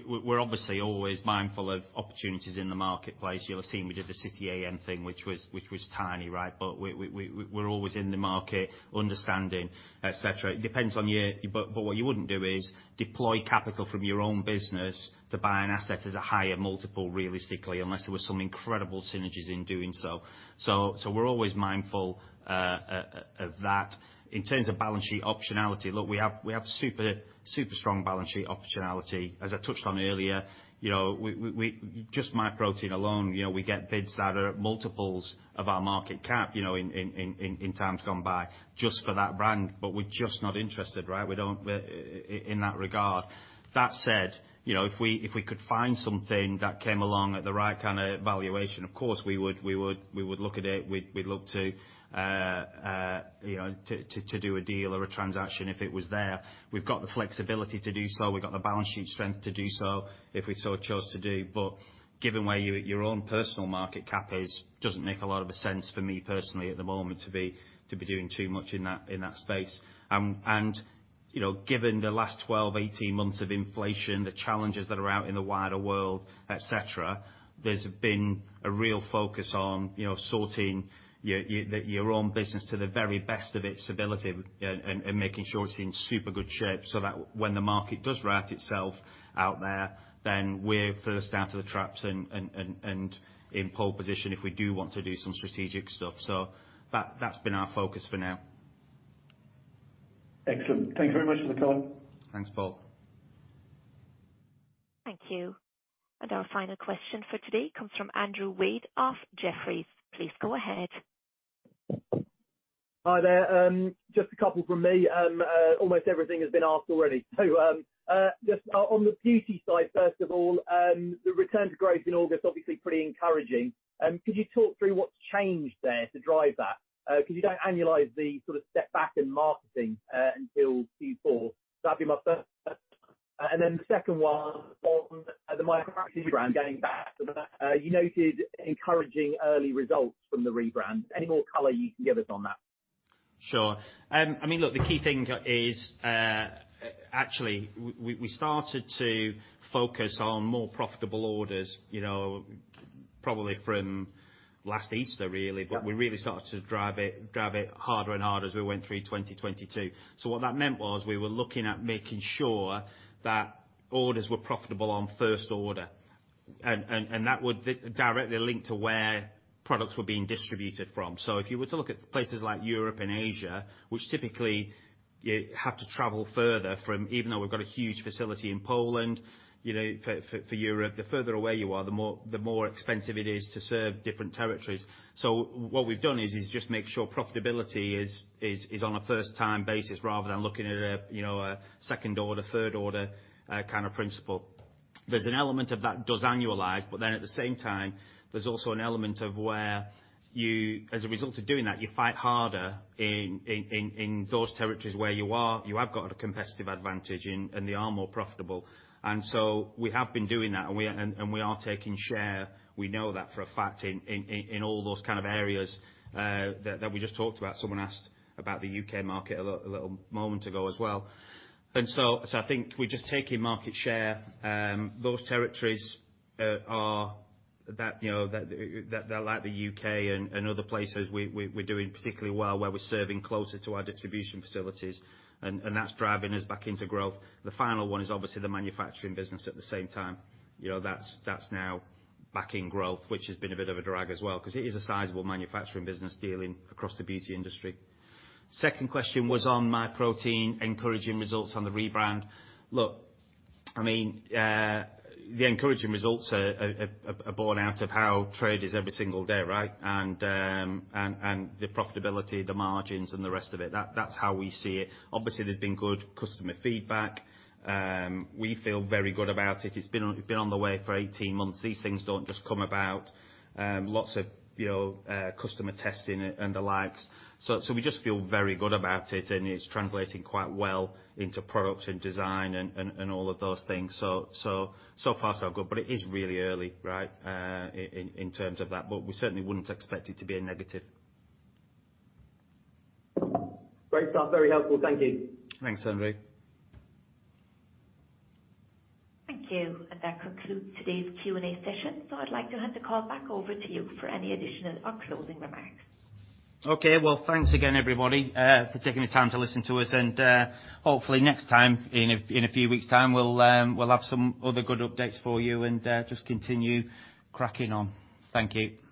we're obviously always mindful of opportunities in the marketplace. You'll have seen we did the City AM thing, which was tiny, right? But we're always in the market, understanding, et cetera. It depends on your... But what you wouldn't do is deploy capital from your own business to buy an asset as a higher multiple, realistically, unless there were some incredible synergies in doing so. So, we're always mindful of that. In terms of balance sheet optionality, look, we have super strong balance sheet optionality. As I touched on earlier, you know, we just Myprotein alone, you know, we get bids that are at multiples of our market cap, you know, in times gone by, just for that brand, but we're just not interested, right? We don't in that regard. That said, you know, if we could find something that came along at the right kind of valuation, of course, we would look at it. We'd look to, you know, to do a deal or a transaction if it was there. We've got the flexibility to do so. We've got the balance sheet strength to do so, if we so chose to do. But given where your own personal market cap is, doesn't make a lot of sense for me personally at the moment to be doing too much in that space. You know, given the last 12, 18 months of inflation, the challenges that are out in the wider world, et cetera, there's been a real focus on, you know, sorting your own business to the very best of its ability and making sure it's in super good shape so that when the market does right itself out there, then we're first out of the traps and in pole position if we do want to do some strategic stuff. So that's been our focus for now. Excellent. Thank you very much for the call. Thanks, Paul. Thank you. Our final question for today comes from Andrew Wade of Jefferies. Please go ahead. Hi there, just a couple from me. Almost everything has been asked already. So, just on the beauty side, first of all, the return to growth in August, obviously pretty encouraging. Could you talk through what's changed there to drive that? Because you don't annualize the sort of step back in marketing until Q4. That'd be my first. And then the second one, on the Myprotein rebrand, going back, you noted encouraging early results from the rebrand. Any more color you can give us on that? Sure. I mean, look, the key thing is, actually, we started to focus on more profitable orders, you know, probably from last Easter, really. Yeah. But we really started to drive it, drive it harder and harder as we went through 2022. So what that meant was we were looking at making sure that orders were profitable on first order, and that would directly link to where products were being distributed from. So if you were to look at places like Europe and Asia, which typically you have to travel further from... Even though we've got a huge facility in Poland, you know, for Europe, the further away you are, the more, the more expensive it is to serve different territories. So what we've done is just make sure profitability is on a first-time basis, rather than looking at a, you know, a second order, third order kind of principle. There's an element of that does annualize, but then at the same time, there's also an element of where you, as a result of doing that, you fight harder in those territories where you are you have got a competitive advantage, and they are more profitable. So we have been doing that, and we are taking share. We know that for a fact in all those kind of areas that we just talked about. Someone asked about the UK market a little moment ago as well. So I think we're just taking market share. Those territories, you know, like the UK and other places we, we're doing particularly well, where we're serving closer to our distribution facilities, and that's driving us back into growth. The final one is obviously the manufacturing business at the same time. You know, that's now back in growth, which has been a bit of a drag as well, 'cause it is a sizable manufacturing business dealing across the beauty industry. Second question was on Myprotein, encouraging results on the rebrand. Look, I mean, the encouraging results are born out of how trade is every single day, right? And, and the profitability, the margins, and the rest of it, that's how we see it. Obviously, there's been good customer feedback. We feel very good about it. It's been on the way for 18 months. These things don't just come about. Lots of, you know, customer testing and the likes. So we just feel very good about it, and it's translating quite well into product and design, and all of those things. So far, so good. But it is really early, right, in terms of that, but we certainly wouldn't expect it to be a negative. Great stuff. Very helpful. Thank you. Thanks, Andrew. Thank you, and that concludes today's Q&A session, so I'd like to hand the call back over to you for any additional or closing remarks. Okay. Well, thanks again, everybody, for taking the time to listen to us, and hopefully next time, in a few weeks' time, we'll have some other good updates for you and just continue cracking on. Thank you.